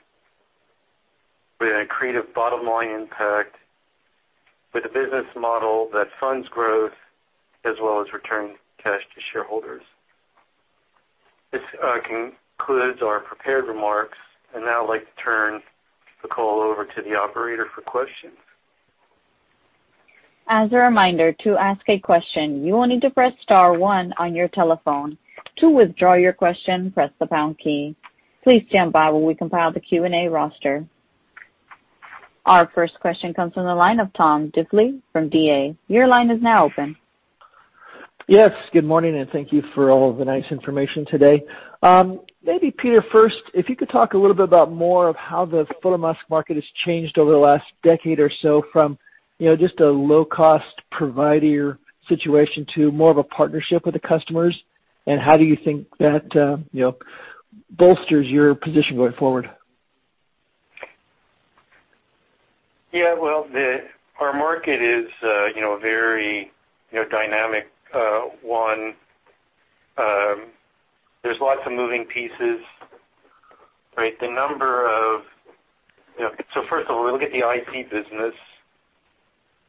with an accretive bottom line impact, with a business model that funds growth as well as returning cash to shareholders. This concludes our prepared remarks. And now I'd like to turn the call over to the operator for questions. As a reminder, to ask a question, you will need to press star one on your telephone. To withdraw your question, press the pound key. Please stand by while we compile the Q&A roster. Our first question comes from the line of Tom Diffely from D.A. Davidson. Your line is now open. Yes. Good morning, and thank you for all of the nice information today. Maybe Peter first, if you could talk a little bit about more of how the photomask market has changed over the last decade or so from just a low-cost provider situation to more of a partnership with the customers. And how do you think that bolsters your position going forward? Yeah. Well, our market is a very dynamic one. There's lots of moving pieces. The number of—so first of all, we look at the IC business.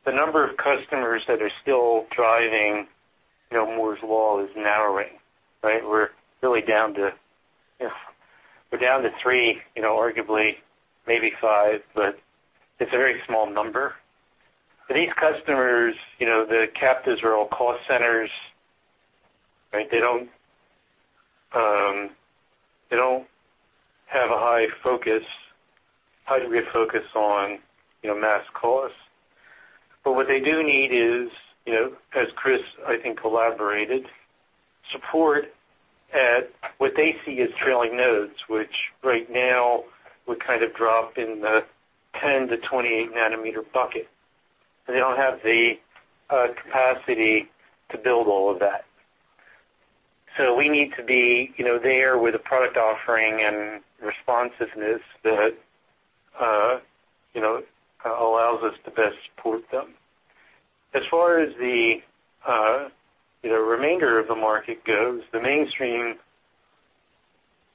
The number of customers that are still driving Moore's Law is narrowing. We're really down to—we're down to three, arguably maybe five, but it's a very small number. But these customers, the captors are all cost centers. They don't have a high degree of focus on mask cost. But what they do need is, as Chris, I think, elaborated, support at what they see as trailing nodes, which right now would kind of drop in the 10 nanometer-28 nanometer bucket. And they don't have the capacity to build all of that. So we need to be there with a product offering and responsiveness that allows us to best support them. As far as the remainder of the market goes, the mainstream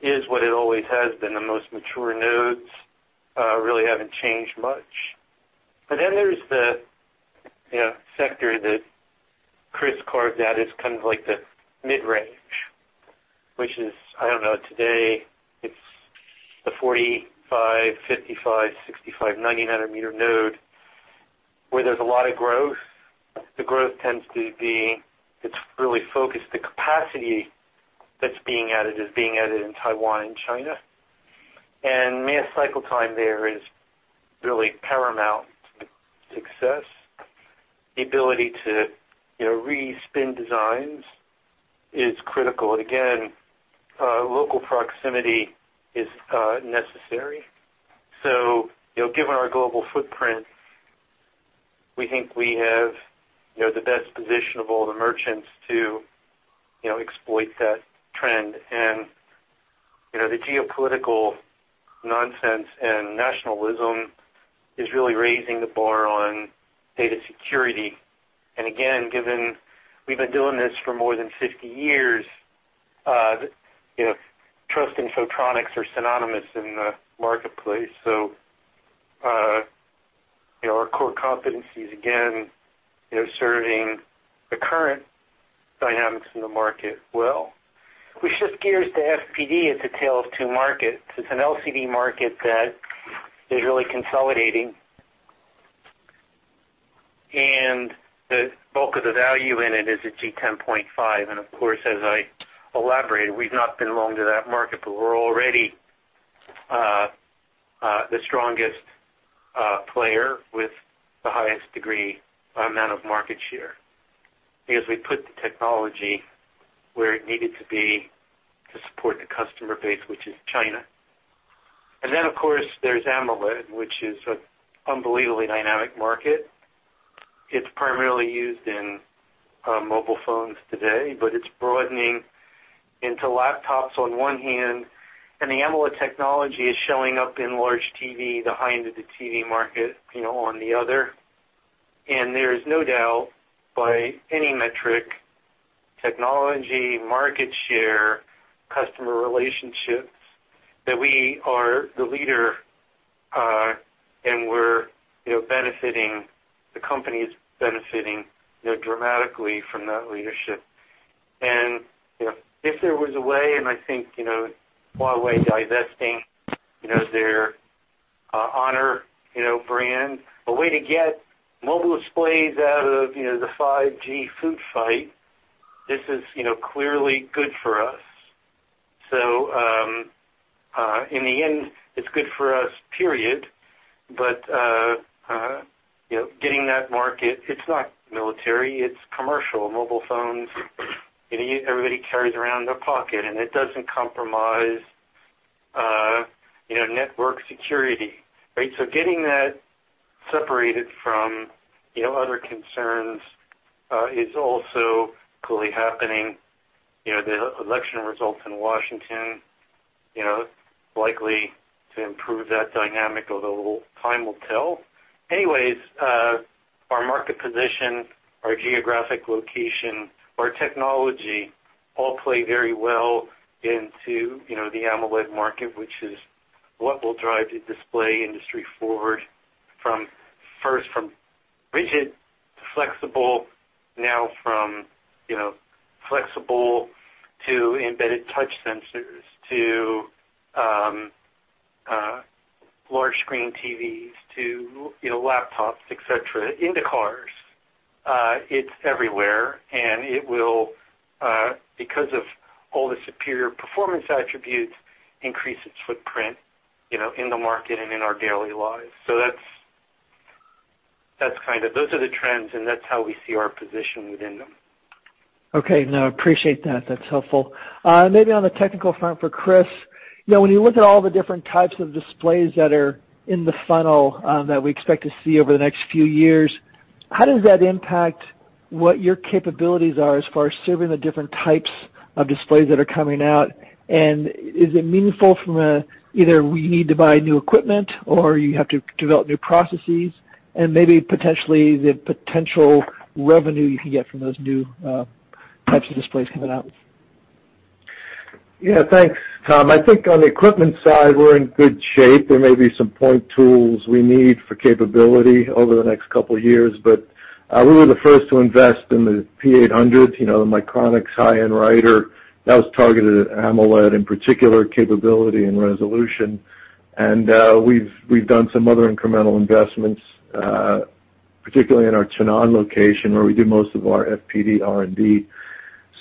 is what it always has been. The most mature nodes really haven't changed much. But then there's the sector that Chris carved out as kind of like the mid-range, which is, I don't know, today it's the 45, 55, 65, 90 nanometer node where there's a lot of growth. The growth tends to be. It's really focused. The capacity that's being added is being added in Taiwan and China. And mass cycle time there is really paramount to success. The ability to respin designs is critical. Again, local proximity is necessary. So given our global footprint, we think we have the best position of all the merchants to exploit that trend. And the geopolitical nonsense and nationalism is really raising the bar on data security. Again, given we've been doing this for more than 50 years, trust in Photronics is synonymous in the marketplace. So our core competencies, again, are serving the current dynamics in the market well. Which just gets to FPD as a tale of two markets. It's an LCD market that is really consolidating. The bulk of the value in it is at G10.5. Of course, as I elaborated, we've not been long in that market, but we're already the strongest player with the highest degree of market share because we put the technology where it needed to be to support the customer base, which is China. Then, of course, there's AMOLED, which is an unbelievably dynamic market. It's primarily used in mobile phones today, but it's broadening into laptops on one hand. And the AMOLED technology is showing up in large TVs, the high-end of the TV market on the other hand. There is no doubt by any metric, technology, market share, customer relationships, that we are the leader and we're benefiting. The companies benefiting dramatically from that leadership. And if there was a way, and I think Huawei divesting their Honor brand, a way to get mobile displays out of the 5G food fight, this is clearly good for us. So in the end, it's good for us, period. But getting that market, it's not military, it's commercial. Mobile phones, everybody carries around in their pocket. And it doesn't compromise network security. So getting that separated from other concerns is also clearly happening. The election results in Washington are likely to improve that dynamic, although time will tell. Anyways, our market position, our geographic location, our technology all play very well into the AMOLED market, which is what will drive the display industry forward from rigid to flexible, now from flexible to embedded touch sensors to large screen TVs to laptops, etc., into cars. It's everywhere. And it will, because of all the superior performance attributes, increase its footprint in the market and in our daily lives. So that's kind of those are the trends, and that's how we see our position within them. Okay. No, appreciate that. That's helpful. Maybe on the technical front for Chris, when you look at all the different types of displays that are in the funnel that we expect to see over the next few years, how does that impact what your capabilities are as far as serving the different types of displays that are coming out? And is it meaningful from a, either we need to buy new equipment or you have to develop new processes? And maybe potentially the potential revenue you can get from those new types of displays coming out? Yeah. Thanks, Tom. I think on the equipment side, we're in good shape. There may be some point tools we need for capability over the next couple of years. But we were the first to invest in the P800, the Mycronic high-end writer. That was targeted at AMOLED in particular capability and resolution. And we've done some other incremental investments, particularly in our Tainan location where we do most of our FPD R&D.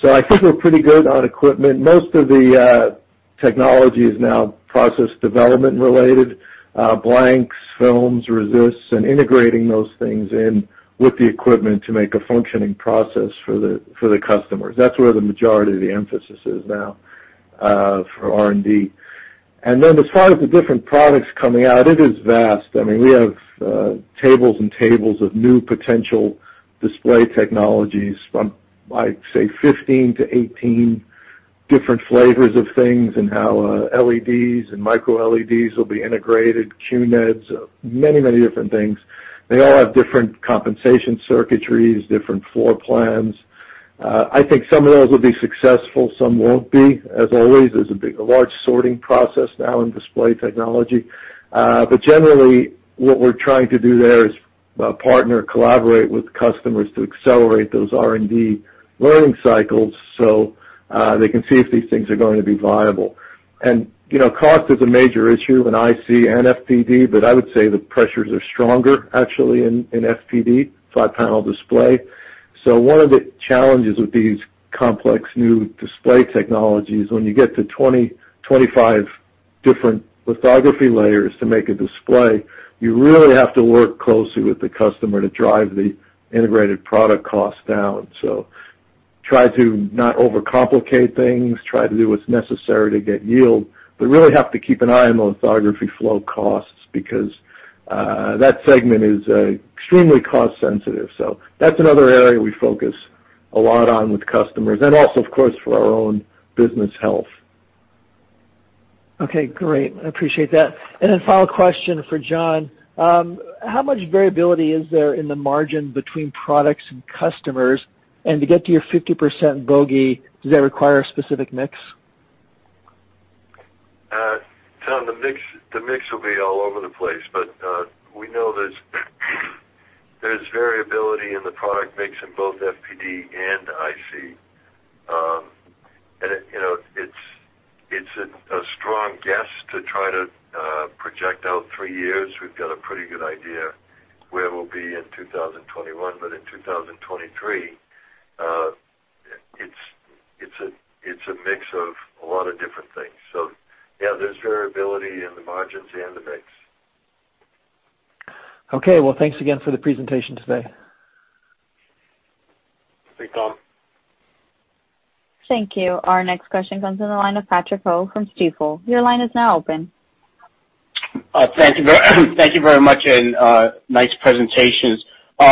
So I think we're pretty good on equipment. Most of the technology is now process development related: blanks, films, resists, and integrating those things in with the equipment to make a functioning process for the customers. That's where the majority of the emphasis is now for R&D. And then as far as the different products coming out, it is vast. I mean, we have tables and tables of new potential display technologies from, I'd say, 15-18 different flavors of things and how LEDs and Micro-LEDs will be integrated, QNEDs, many, many different things. They all have different compensation circuitries, different floor plans. I think some of those will be successful. Some won't be. As always, there's a large sorting process now in display technology, but generally, what we're trying to do there is partner, collaborate with customers to accelerate those R&D learning cycles so they can see if these things are going to be viable, and cost is a major issue in IC and FPD, but I would say the pressures are stronger, actually, in FPD, flat panel display. So one of the challenges with these complex new display technologies is when you get to 20, 25 different lithography layers to make a display, you really have to work closely with the customer to drive the integrated product cost down. So try to not overcomplicate things, try to do what's necessary to get yield, but really have to keep an eye on the lithography flow costs because that segment is extremely cost sensitive. So that's another area we focus a lot on with customers and also, of course, for our own business health. Okay. Great. Appreciate that. And then final question for John. How much variability is there in the margin between products and customers? And to get to your 50% bogey, does that require a specific mix? Tom, the mix will be all over the place. But we know there's variability in the product mix in both FPD and IC. And it's a strong guess to try to project out three years. We've got a pretty good idea where we'll be in 2021. But in 2023, it's a mix of a lot of different things. So yeah, there's variability in the margins and the mix. Okay, well, thanks again for the presentation today. Thank you, Tom. Thank you. Our next question comes in the line of Patrick Ho from Stifel. Your line is now open. Thank you very much, and nice presentations.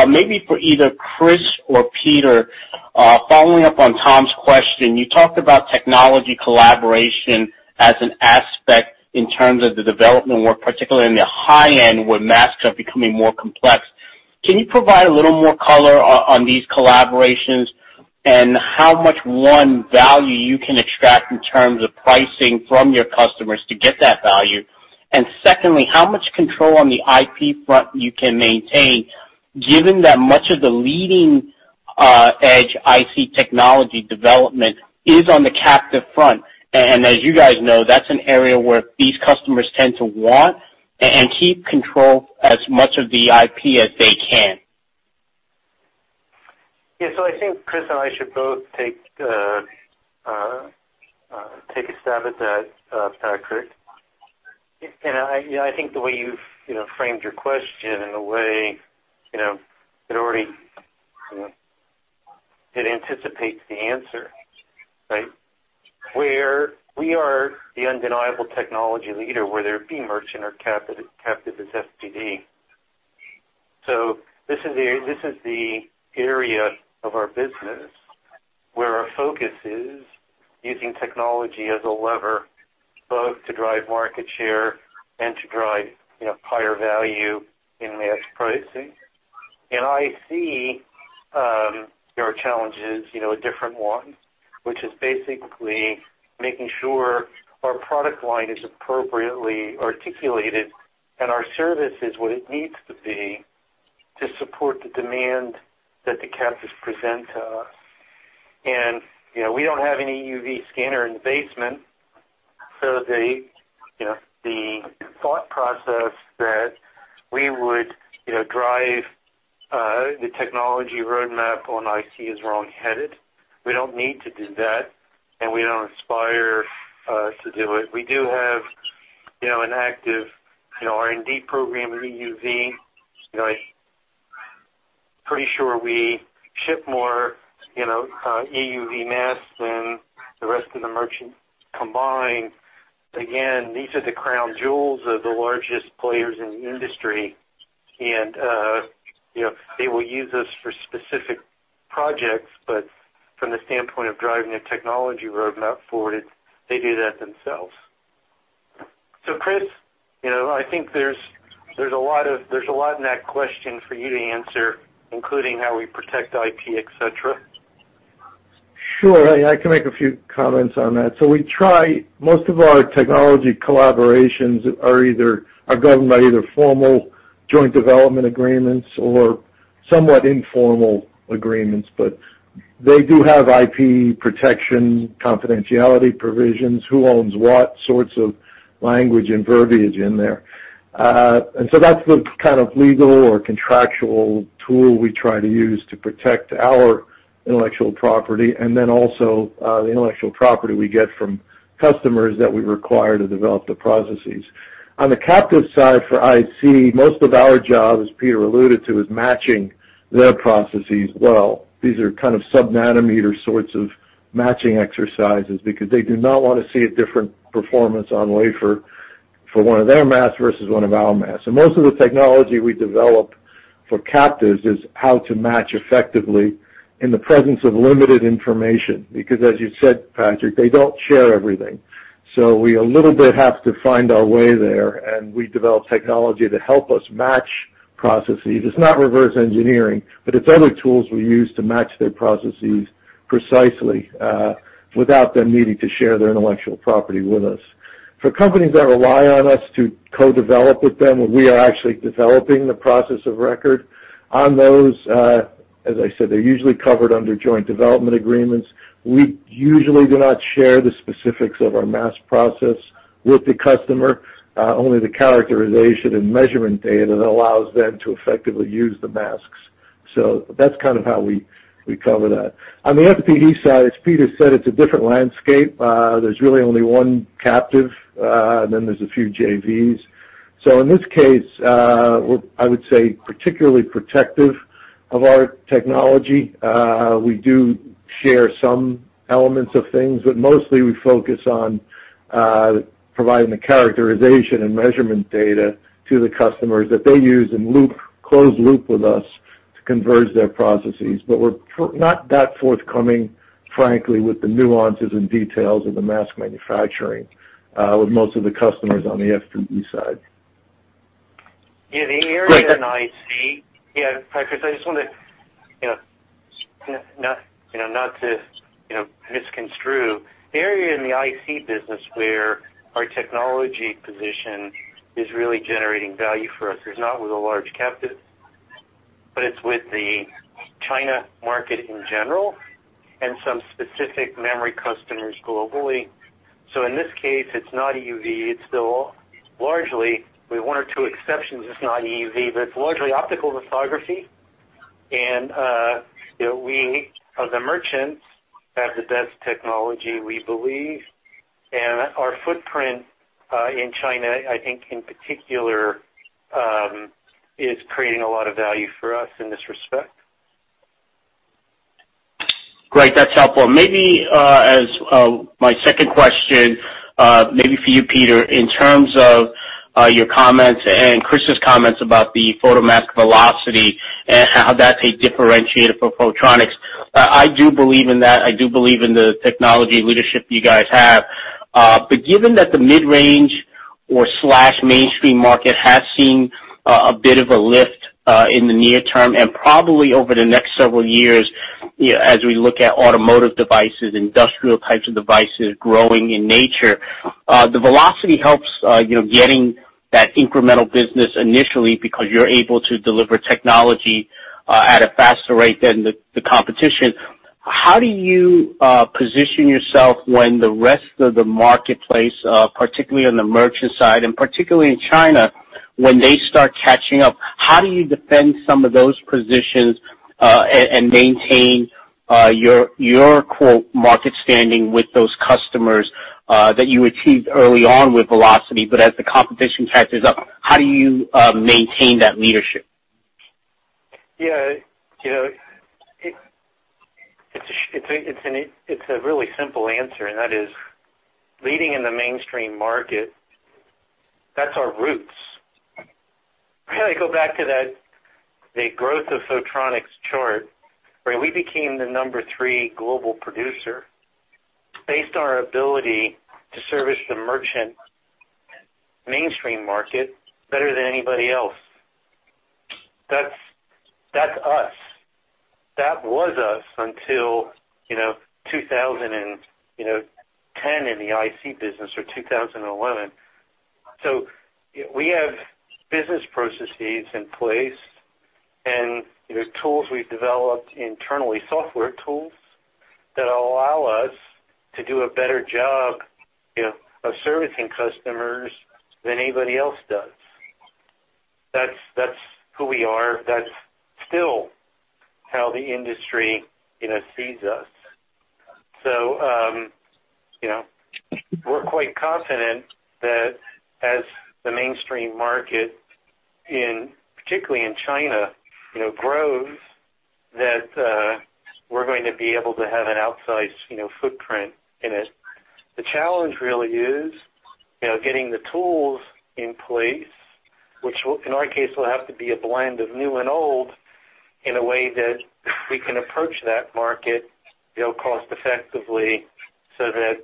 Maybe for either Chris or Peter, following up on Tom's question, you talked about technology collaboration as an aspect in terms of the development work, particularly in the high-end where masks are becoming more complex. Can you provide a little more color on these collaborations and how much value you can extract in terms of pricing from your customers to get that value? And secondly, how much control on the IP front you can maintain, given that much of the leading edge IC technology development is on the captive front? As you guys know, that's an area where these customers tend to want and keep control as much of the IP as they can. Yeah. So I think Chris and I should both take a stab at that, Patrick. And I think the way you've framed your question and the way it already anticipates the answer, right, where we are the undeniable technology leader whether it be merchant or captive is FPD. So this is the area of our business where our focus is using technology as a lever both to drive market share and to drive higher value in mask pricing. And I see there are challenges, a different one, which is basically making sure our product line is appropriately articulated and our service is what it needs to be to support the demand that the captives present to us. And we don't have any EUV scanner in the basement. So the thought process that we would drive the technology roadmap on IC is wrongheaded. We don't need to do that, and we don't aspire to do it. We do have an active R&D program in EUV. I'm pretty sure we ship more EUV masks than the rest of the merchant combined. Again, these are the crown jewels of the largest players in the industry. And they will use us for specific projects, but from the standpoint of driving the technology roadmap forward, they do that themselves. So Chris, I think there's a lot in that question for you to answer, including how we protect IP, etc. Sure. I can make a few comments on that. So most of our technology collaborations are governed by either formal joint development agreements or somewhat informal agreements. But they do have IP protection, confidentiality provisions, who owns what, sorts of language and verbiage in there. And so that's the kind of legal or contractual tool we try to use to protect our intellectual property and then also the intellectual property we get from customers that we require to develop the processes. On the captive side for IC, most of our job, as Peter alluded to, is matching their processes well. These are kind of sub-nanometer sorts of matching exercises because they do not want to see a different performance on wafer for one of their masks versus one of our masks. Most of the technology we develop for captives is how to match effectively in the presence of limited information because, as you said, Patrick, they don't share everything. So we a little bit have to find our way there. We develop technology to help us match processes. It's not reverse engineering, but it's other tools we use to match their processes precisely without them needing to share their intellectual property with us. For companies that rely on us to co-develop with them when we are actually developing the process of record on those, as I said, they're usually covered under joint development agreements. We usually do not share the specifics of our mask process with the customer, only the characterization and measurement data that allows them to effectively use the masks. So that's kind of how we cover that. On the FPD side, as Peter said, it's a different landscape. There's really only one captive, and then there's a few JVs. So in this case, I would say particularly protective of our technology. We do share some elements of things, but mostly we focus on providing the characterization and measurement data to the customers that they use in loop, closed loop with us to converge their processes. But we're not that forthcoming, frankly, with the nuances and details of the mask manufacturing with most of the customers on the FPD side. Yeah. The area in IC, yeah, Patrick, I just want not to misconstrue. The area in the IC business where our technology position is really generating value for us is not with a large captive, but it's with the China market in general and some specific memory customers globally. So in this case, it's not EUV. It's still largely, with one or two exceptions, it's not EUV, but it's largely optical lithography. And we, as a merchant, have the best technology we believe. And our footprint in China, I think in particular, is creating a lot of value for us in this respect. Great. That's helpful. Maybe as my second question, maybe for you, Peter, in terms of your comments and Chris's comments about the Photomask velocity and how that's a differentiator for Photronics, I do believe in that. I do believe in the technology leadership you guys have. But given that the mid-range or slash mainstream market has seen a bit of a lift in the near term and probably over the next several years as we look at automotive devices, industrial types of devices growing in nature, the velocity helps getting that incremental business initially because you're able to deliver technology at a faster rate than the competition. How do you position yourself when the rest of the marketplace, particularly on the merchant side and particularly in China, when they start catching up? How do you defend some of those positions and maintain your "market standing" with those customers that you achieved early on with velocity? But as the competition catches up, how do you maintain that leadership? Yeah. It's a really simple answer, and that is leading in the mainstream market. That's our roots. I go back to the growth of Photronics chart. We became the number three global producer based on our ability to service the merchant mainstream market better than anybody else. That's us. That was us until 2010 in the IC business or 2011. So we have business processes in place and tools we've developed internally, software tools that allow us to do a better job of servicing customers than anybody else does. That's who we are. That's still how the industry sees us. So we're quite confident that as the mainstream market, particularly in China, grows, that we're going to be able to have an outsized footprint in it. The challenge really is getting the tools in place, which in our case will have to be a blend of new and old in a way that we can approach that market cost-effectively so that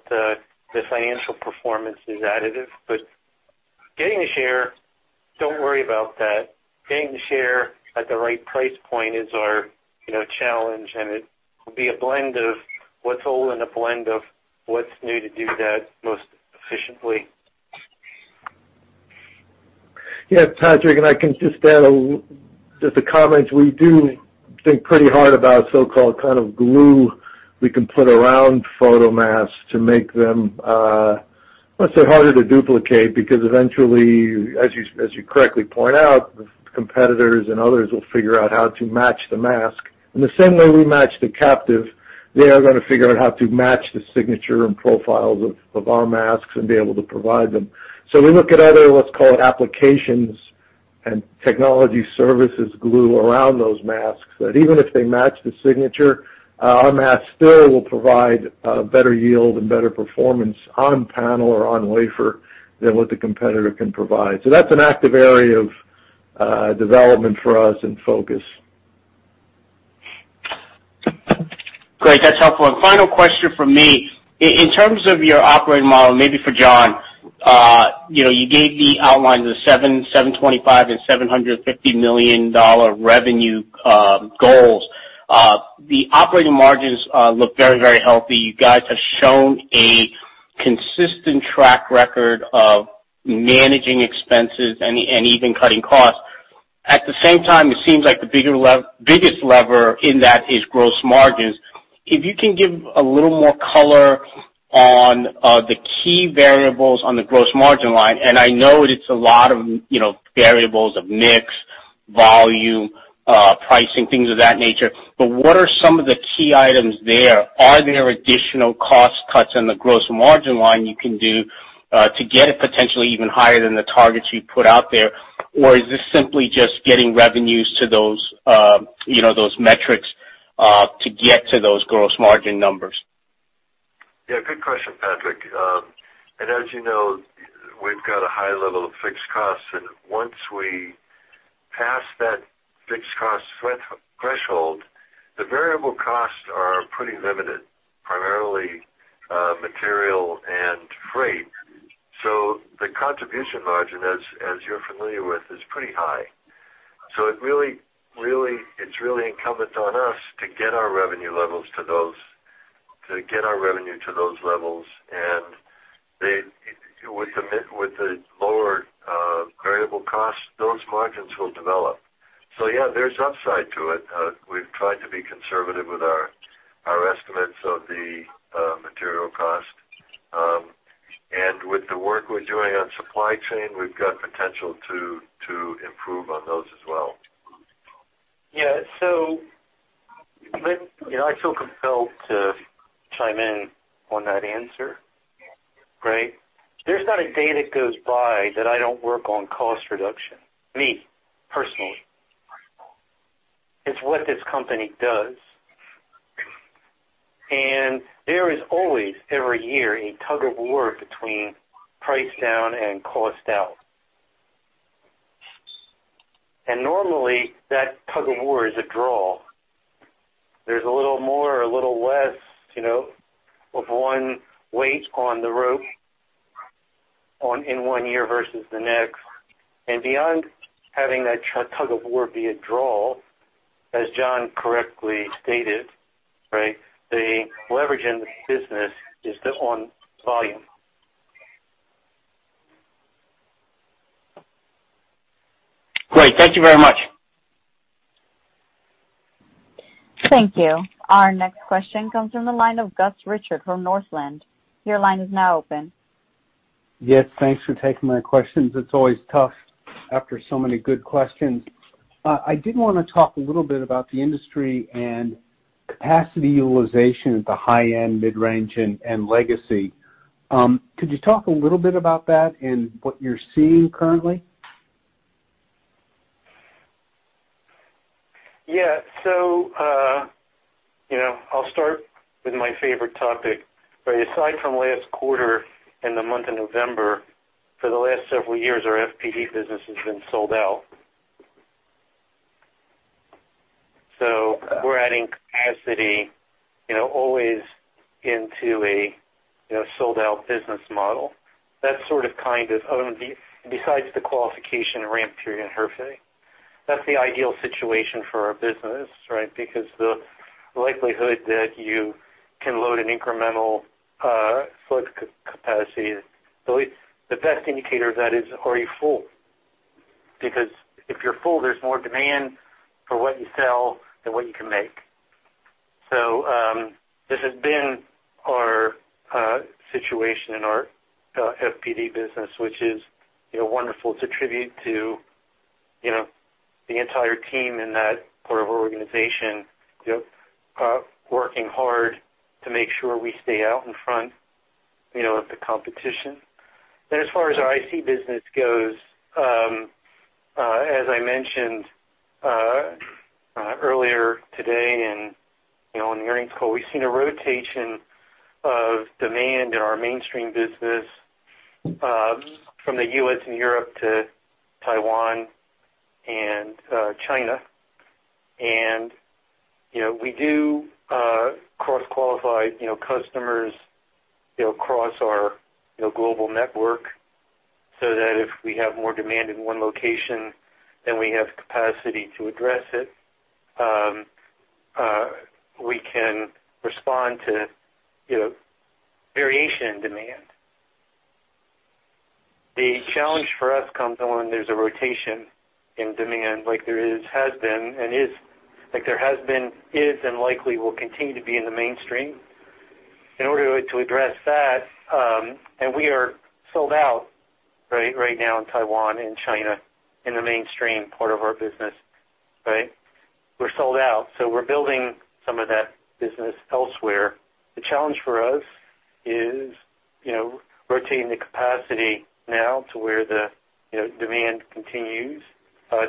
the financial performance is additive. But getting the share, don't worry about that. Getting the share at the right price point is our challenge. And it will be a blend of what's old and a blend of what's new to do that most efficiently. Yeah. Patrick, and I can just add the comments. We do think pretty hard about so-called kind of glue we can put around photomasks to make them, let's say, harder to duplicate because eventually, as you correctly point out, competitors and others will figure out how to match the mask, and the same way we match the captive, they are going to figure out how to match the signature and profiles of our masks and be able to provide them. So we look at other, let's call it, applications and technology services glue around those masks that even if they match the signature, our mask still will provide better yield and better performance on panel or on wafer than what the competitor can provide. So that's an active area of development for us and focus. Great. That's helpful. And final question from me. In terms of your operating model, maybe for John, you gave the outline of the $725 million and $750 million revenue goals. The operating margins look very, very healthy. You guys have shown a consistent track record of managing expenses and even cutting costs. At the same time, it seems like the biggest lever in that is gross margins. If you can give a little more color on the key variables on the gross margin line, and I know it's a lot of variables of mix, volume, pricing, things of that nature, but what are some of the key items there? Are there additional cost cuts on the gross margin line you can do to get it potentially even higher than the targets you put out there? Or is this simply just getting revenues to those metrics to get to those gross margin numbers? Yeah. Good question, Patrick. And as you know, we've got a high level of fixed costs. And once we pass that fixed cost threshold, the variable costs are pretty limited, primarily material and freight. So the contribution margin, as you're familiar with, is pretty high. So it's really incumbent on us to get our revenue levels to those to get our revenue to those levels. And with the lower variable costs, those margins will develop. So yeah, there's upside to it. We've tried to be conservative with our estimates of the material cost. And with the work we're doing on supply chain, we've got potential to improve on those as well. Yeah. So I feel compelled to chime in on that answer, right? There's not a day that goes by that I don't work on cost reduction, me personally. It's what this company does. There is always, every year, a tug-of-war between price down and cost out. Normally, that tug-of-war is a draw. There's a little more, a little less of one weight on the rope in one year versus the next. Beyond having that tug-of-war be a draw, as John correctly stated, right, the leverage in the business is on volume. Great. Thank you very much. Thank you. Our next question comes from the line of Gus Richard from Northland. Your line is now open. Yes. Thanks for taking my questions. It's always tough after so many good questions. I did want to talk a little bit about the industry and capacity utilization at the high-end, mid-range, and legacy. Could you talk a little bit about that and what you're seeing currently? Yeah. So I'll start with my favorite topic. But aside from last quarter and the month of November, for the last several years, our FPD business has been sold out. So we're adding capacity always into a sold-out business model. That's sort of kind of besides the qualification ramp period in Hefei. That's the ideal situation for our business, right, because the likelihood that you can load an incremental capacity, the best indicator of that is, are you full? Because if you're full, there's more demand for what you sell than what you can make. So this has been our situation in our FPD business, which is wonderful to attribute to the entire team in that part of our organization working hard to make sure we stay out in front of the competition. As far as our IC business goes, as I mentioned earlier today on the earnings call, we've seen a rotation of demand in our mainstream business from the U.S. and Europe to Taiwan and China. We do cross-qualify customers across our global network so that if we have more demand in one location than we have capacity to address it, we can respond to variation in demand. The challenge for us comes when there's a rotation in demand like there has been and is, and likely will continue to be in the mainstream. In order to address that, we are sold out, right, right now in Taiwan and China in the mainstream part of our business, right? We're sold out. We're building some of that business elsewhere. The challenge for us is rotating the capacity now to where the demand continues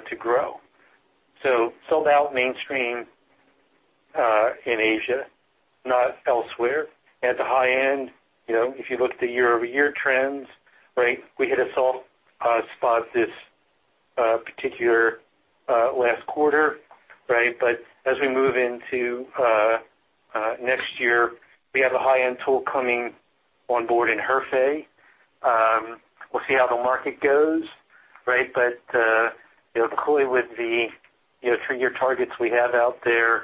to grow. So sold out mainstream in Asia, not elsewhere. At the high end, if you look at the year-over-year trends, right, we hit a soft spot this particular last quarter, right? But as we move into next year, we have a high-end tool coming on board in Hefei. We'll see how the market goes, right? But clearly, with the three-year targets we have out there,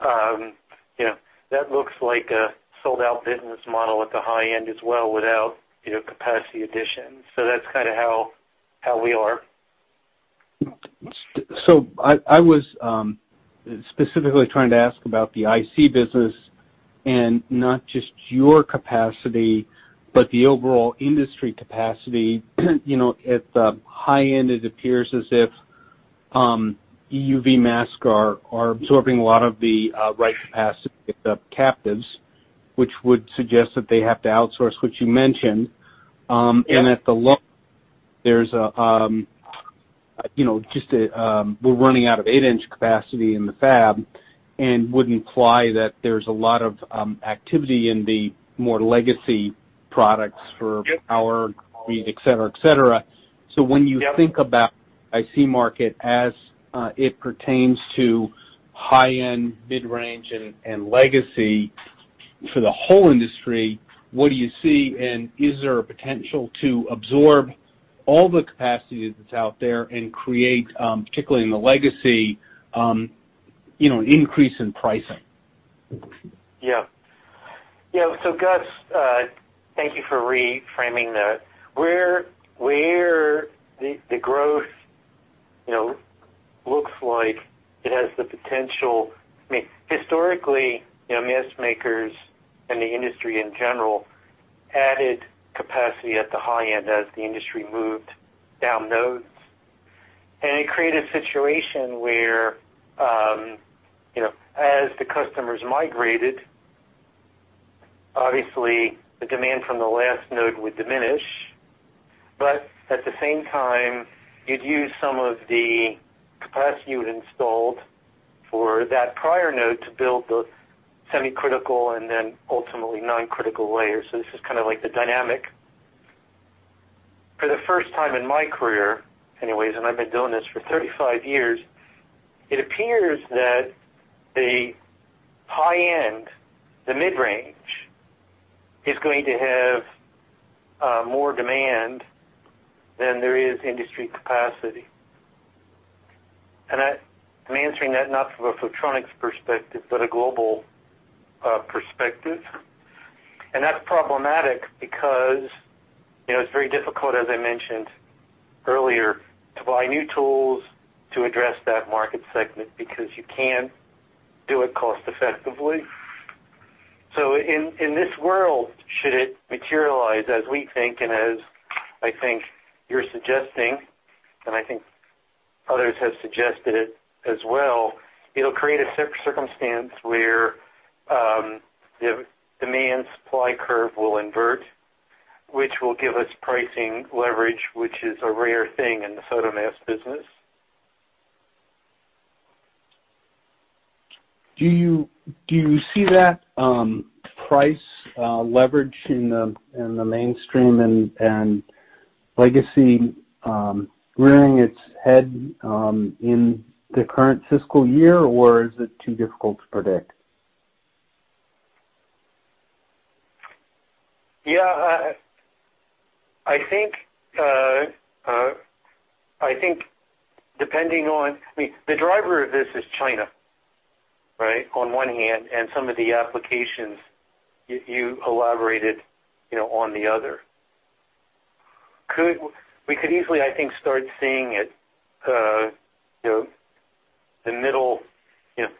that looks like a sold-out business model at the high end as well without capacity addition. So that's kind of how we are. So I was specifically trying to ask about the IC business and not just your capacity, but the overall industry capacity. At the high end, it appears as if EUV masks are absorbing a lot of the write capacity at the captives, which would suggest that they have to outsource what you mentioned. And at the low, there's just, we're running out of eight-inch capacity in the fab and wouldn't imply that there's a lot of activity in the more legacy products for power, etc., etc. So when you think about the IC market as it pertains to high-end, mid-range, and legacy for the whole industry, what do you see? And is there a potential to absorb all the capacity that's out there and create, particularly in the legacy, an increase in pricing? Yeah. Yeah. So Gus, thank you for reframing that. Where the growth looks like it has the potential, I mean, historically, mask makers and the industry in general added capacity at the high end as the industry moved down nodes. And it created a situation where, as the customers migrated, obviously, the demand from the last node would diminish. But at the same time, you'd use some of the capacity you had installed for that prior node to build the semi-critical and then ultimately non-critical layers. So this is kind of like the dynamic. For the first time in my career, anyways, and I've been doing this for 35 years, it appears that the high end, the mid-range, is going to have more demand than there is industry capacity. And I'm answering that not from a Photronics perspective, but a global perspective. And that's problematic because it's very difficult, as I mentioned earlier, to buy new tools to address that market segment because you can't do it cost-effectively. So in this world, should it materialize as we think and as I think you're suggesting, and I think others have suggested it as well, it'll create a circumstance where the demand-supply curve will invert, which will give us pricing leverage, which is a rare thing in the photomask business. Do you see that price leverage in the mainstream and legacy rearing its head in the current fiscal year, or is it too difficult to predict? Yeah. I think depending on, I mean, the driver of this is China, right, on one hand, and some of the applications you elaborated on the other. We could easily, I think, start seeing it the middle of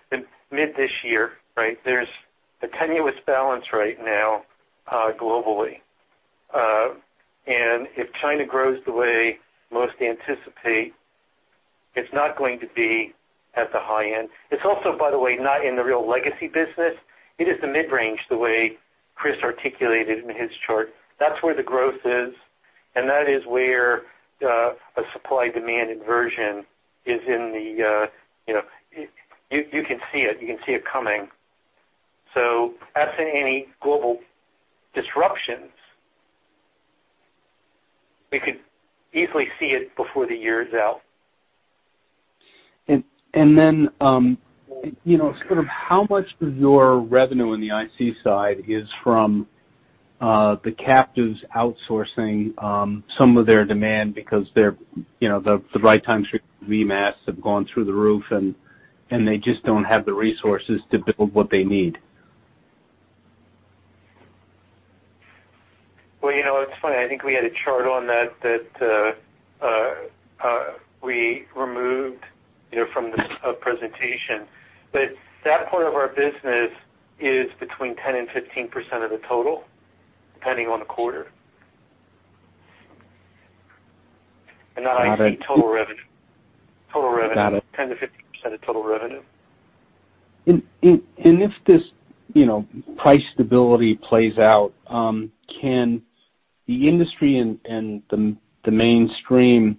mid this year, right? There's a tenuous balance right now globally. And if China grows the way most anticipate, it's not going to be at the high end. It's also, by the way, not in the real legacy business. It is the mid-range, the way Chris articulated in his chart. That's where the growth is. And that is where a supply-demand inversion is in the works. You can see it. You can see it coming. So absent any global disruptions, we could easily see it before the year is out. And then sort of how much of your revenue on the IC side is from the captives outsourcing some of their demand because the write times for masks have gone through the roof, and they just don't have the resources to build what they need? It's funny. I think we had a chart on that that we removed from the presentation. That part of our business is between 10% and 15% of the total, depending on the quarter. That IC total revenue, total revenue, 10%-15% of total revenue. If this price stability plays out, can the industry and the mainstream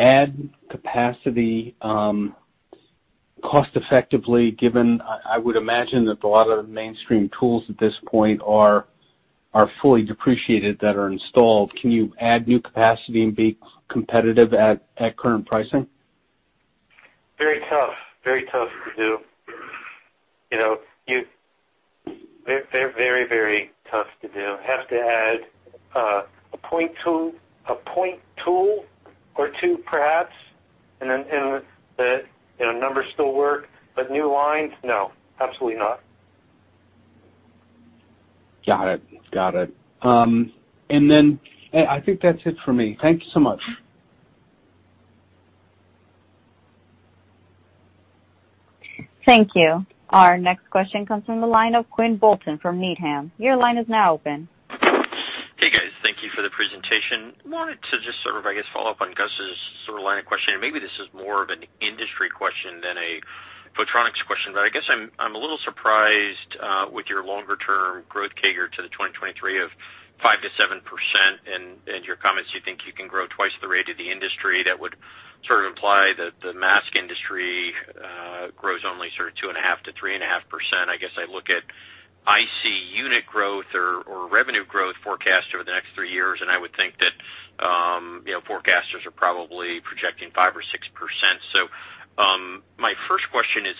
add capacity cost-effectively given I would imagine that a lot of the mainstream tools at this point are fully depreciated that are installed? Can you add new capacity and be competitive at current pricing? Very tough. Very tough to do. They're very, very tough to do. Have to add a point tool or two, perhaps, and then the numbers still work. But new lines, no, absolutely not. Got it. Got it. And then I think that's it for me. Thank you so much. Thank you. Our next question comes from the line of Quinn Bolton from Needham. Your line is now open. Hey, guys. Thank you for the presentation. I wanted to just sort of, I guess, follow up on Gus's sort of line of question, and maybe this is more of an industry question than a Photronics question, but I guess I'm a little surprised with your longer-term growth CAGR to the 2023 of 5%-7% and your comments you think you can grow twice the rate of the industry. That would sort of imply that the mask industry grows only sort of 2.5%-3.5%. I guess I look at IC unit growth or revenue growth forecast over the next three years, and I would think that forecasters are probably projecting 5% or 6%. So my first question is,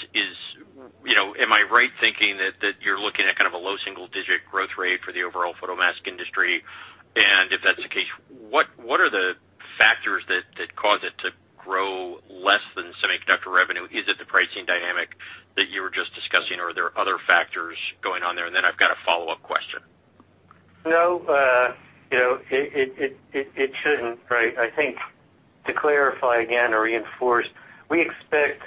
am I right thinking that you're looking at kind of a low single-digit growth rate for the overall photomask industry? And if that's the case, what are the factors that cause it to grow less than semiconductor revenue? Is it the pricing dynamic that you were just discussing, or are there other factors going on there? And then I've got a follow-up question. No. It shouldn't, right? I think to clarify again or reinforce, we expect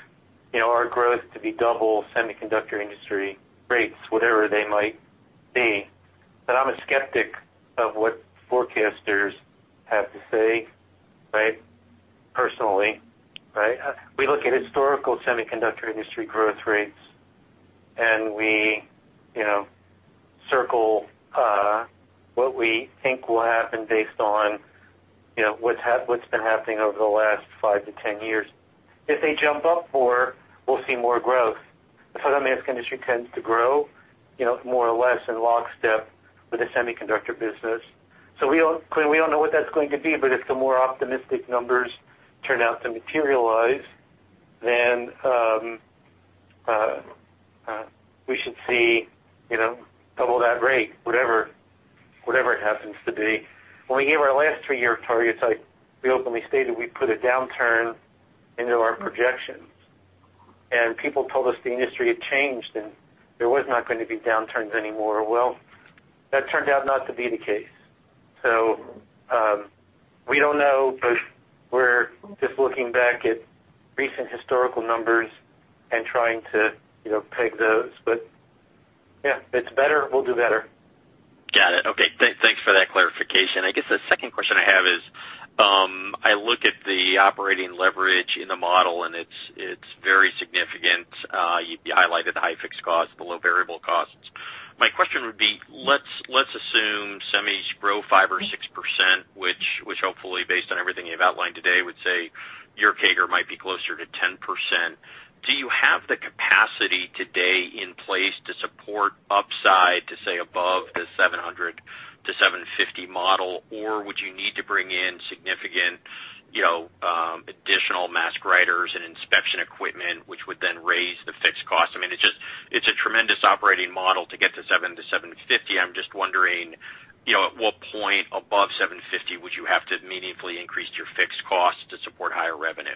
our growth to be double semiconductor industry rates, whatever they might be. But I'm a skeptic of what forecasters have to say, right, personally, right? We look at historical semiconductor industry growth rates, and we circle what we think will happen based on what's been happening over the last five to 10 years. If they jump up more, we'll see more growth. The photomask industry tends to grow more or less in lockstep with the semiconductor business. So we don't know what that's going to be, but if the more optimistic numbers turn out to materialize, then we should see double that rate, whatever it happens to be. When we gave our last three-year targets, we openly stated we put a downturn into our projections. And people told us the industry had changed and there was not going to be downturns anymore. Well, that turned out not to be the case. So we don't know, but we're just looking back at recent historical numbers and trying to peg those. But yeah, if it's better, we'll do better. Got it. Okay. Thanks for that clarification. I guess the second question I have is, I look at the operating leverage in the model, and it's very significant. You highlighted the high fixed costs, the low variable costs. My question would be, let's assume semis grow 5% or 6%, which hopefully, based on everything you've outlined today, would say your CAGR might be closer to 10%. Do you have the capacity today in place to support upside to, say, above the $700-$750 model, or would you need to bring in significant additional mask writers and inspection equipment, which would then raise the fixed cost? I mean, it's a tremendous operating model to get to $700-$750. I'm just wondering, at what point above $750 would you have to meaningfully increase your fixed costs to support higher revenue?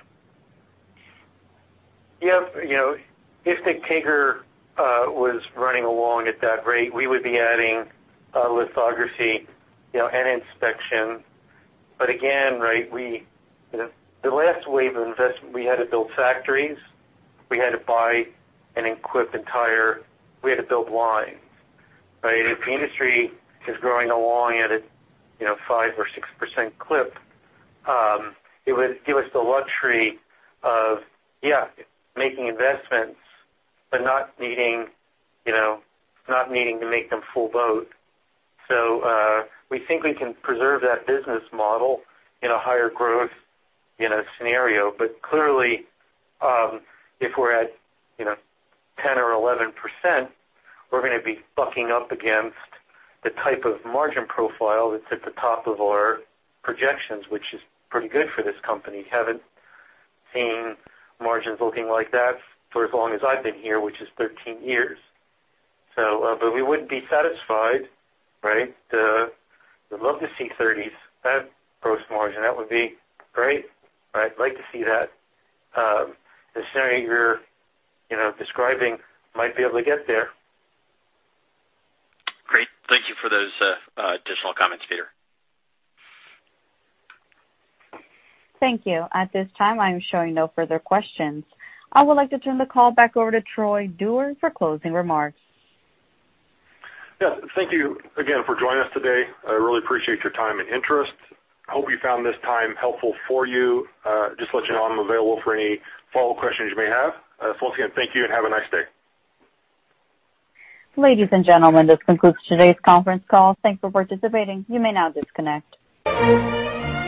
Yeah. If the CAGR was running along at that rate, we would be adding lithography and inspection. But again, right, the last wave of investment, we had to build factories. We had to buy and equip entire we had to build lines, right? If the industry is growing along at a 5% or 6% clip, it would give us the luxury of, yeah, making investments, but not needing to make them full-boat. So we think we can preserve that business model in a higher growth scenario. But clearly, if we're at 10% or 11%, we're going to be bucking up against the type of margin profile that's at the top of our projections, which is pretty good for this company. Haven't seen margins looking like that for as long as I've been here, which is 13 years. But we wouldn't be satisfied, right? We'd love to see 30s at gross margin. That would be great, right? I'd like to see that. The scenario you're describing might be able to get there. Great. Thank you for those additional comments, Peter. Thank you. At this time, I am showing no further questions. I would like to turn the call back over to Troy Dewar for closing remarks. Yeah. Thank you again for joining us today. I really appreciate your time and interest. I hope you found this time helpful for you. Just to let you know, I'm available for any follow-up questions you may have. So once again, thank you and have a nice day. Ladies and gentlemen, this concludes today's conference call. Thanks for participating. You may now disconnect.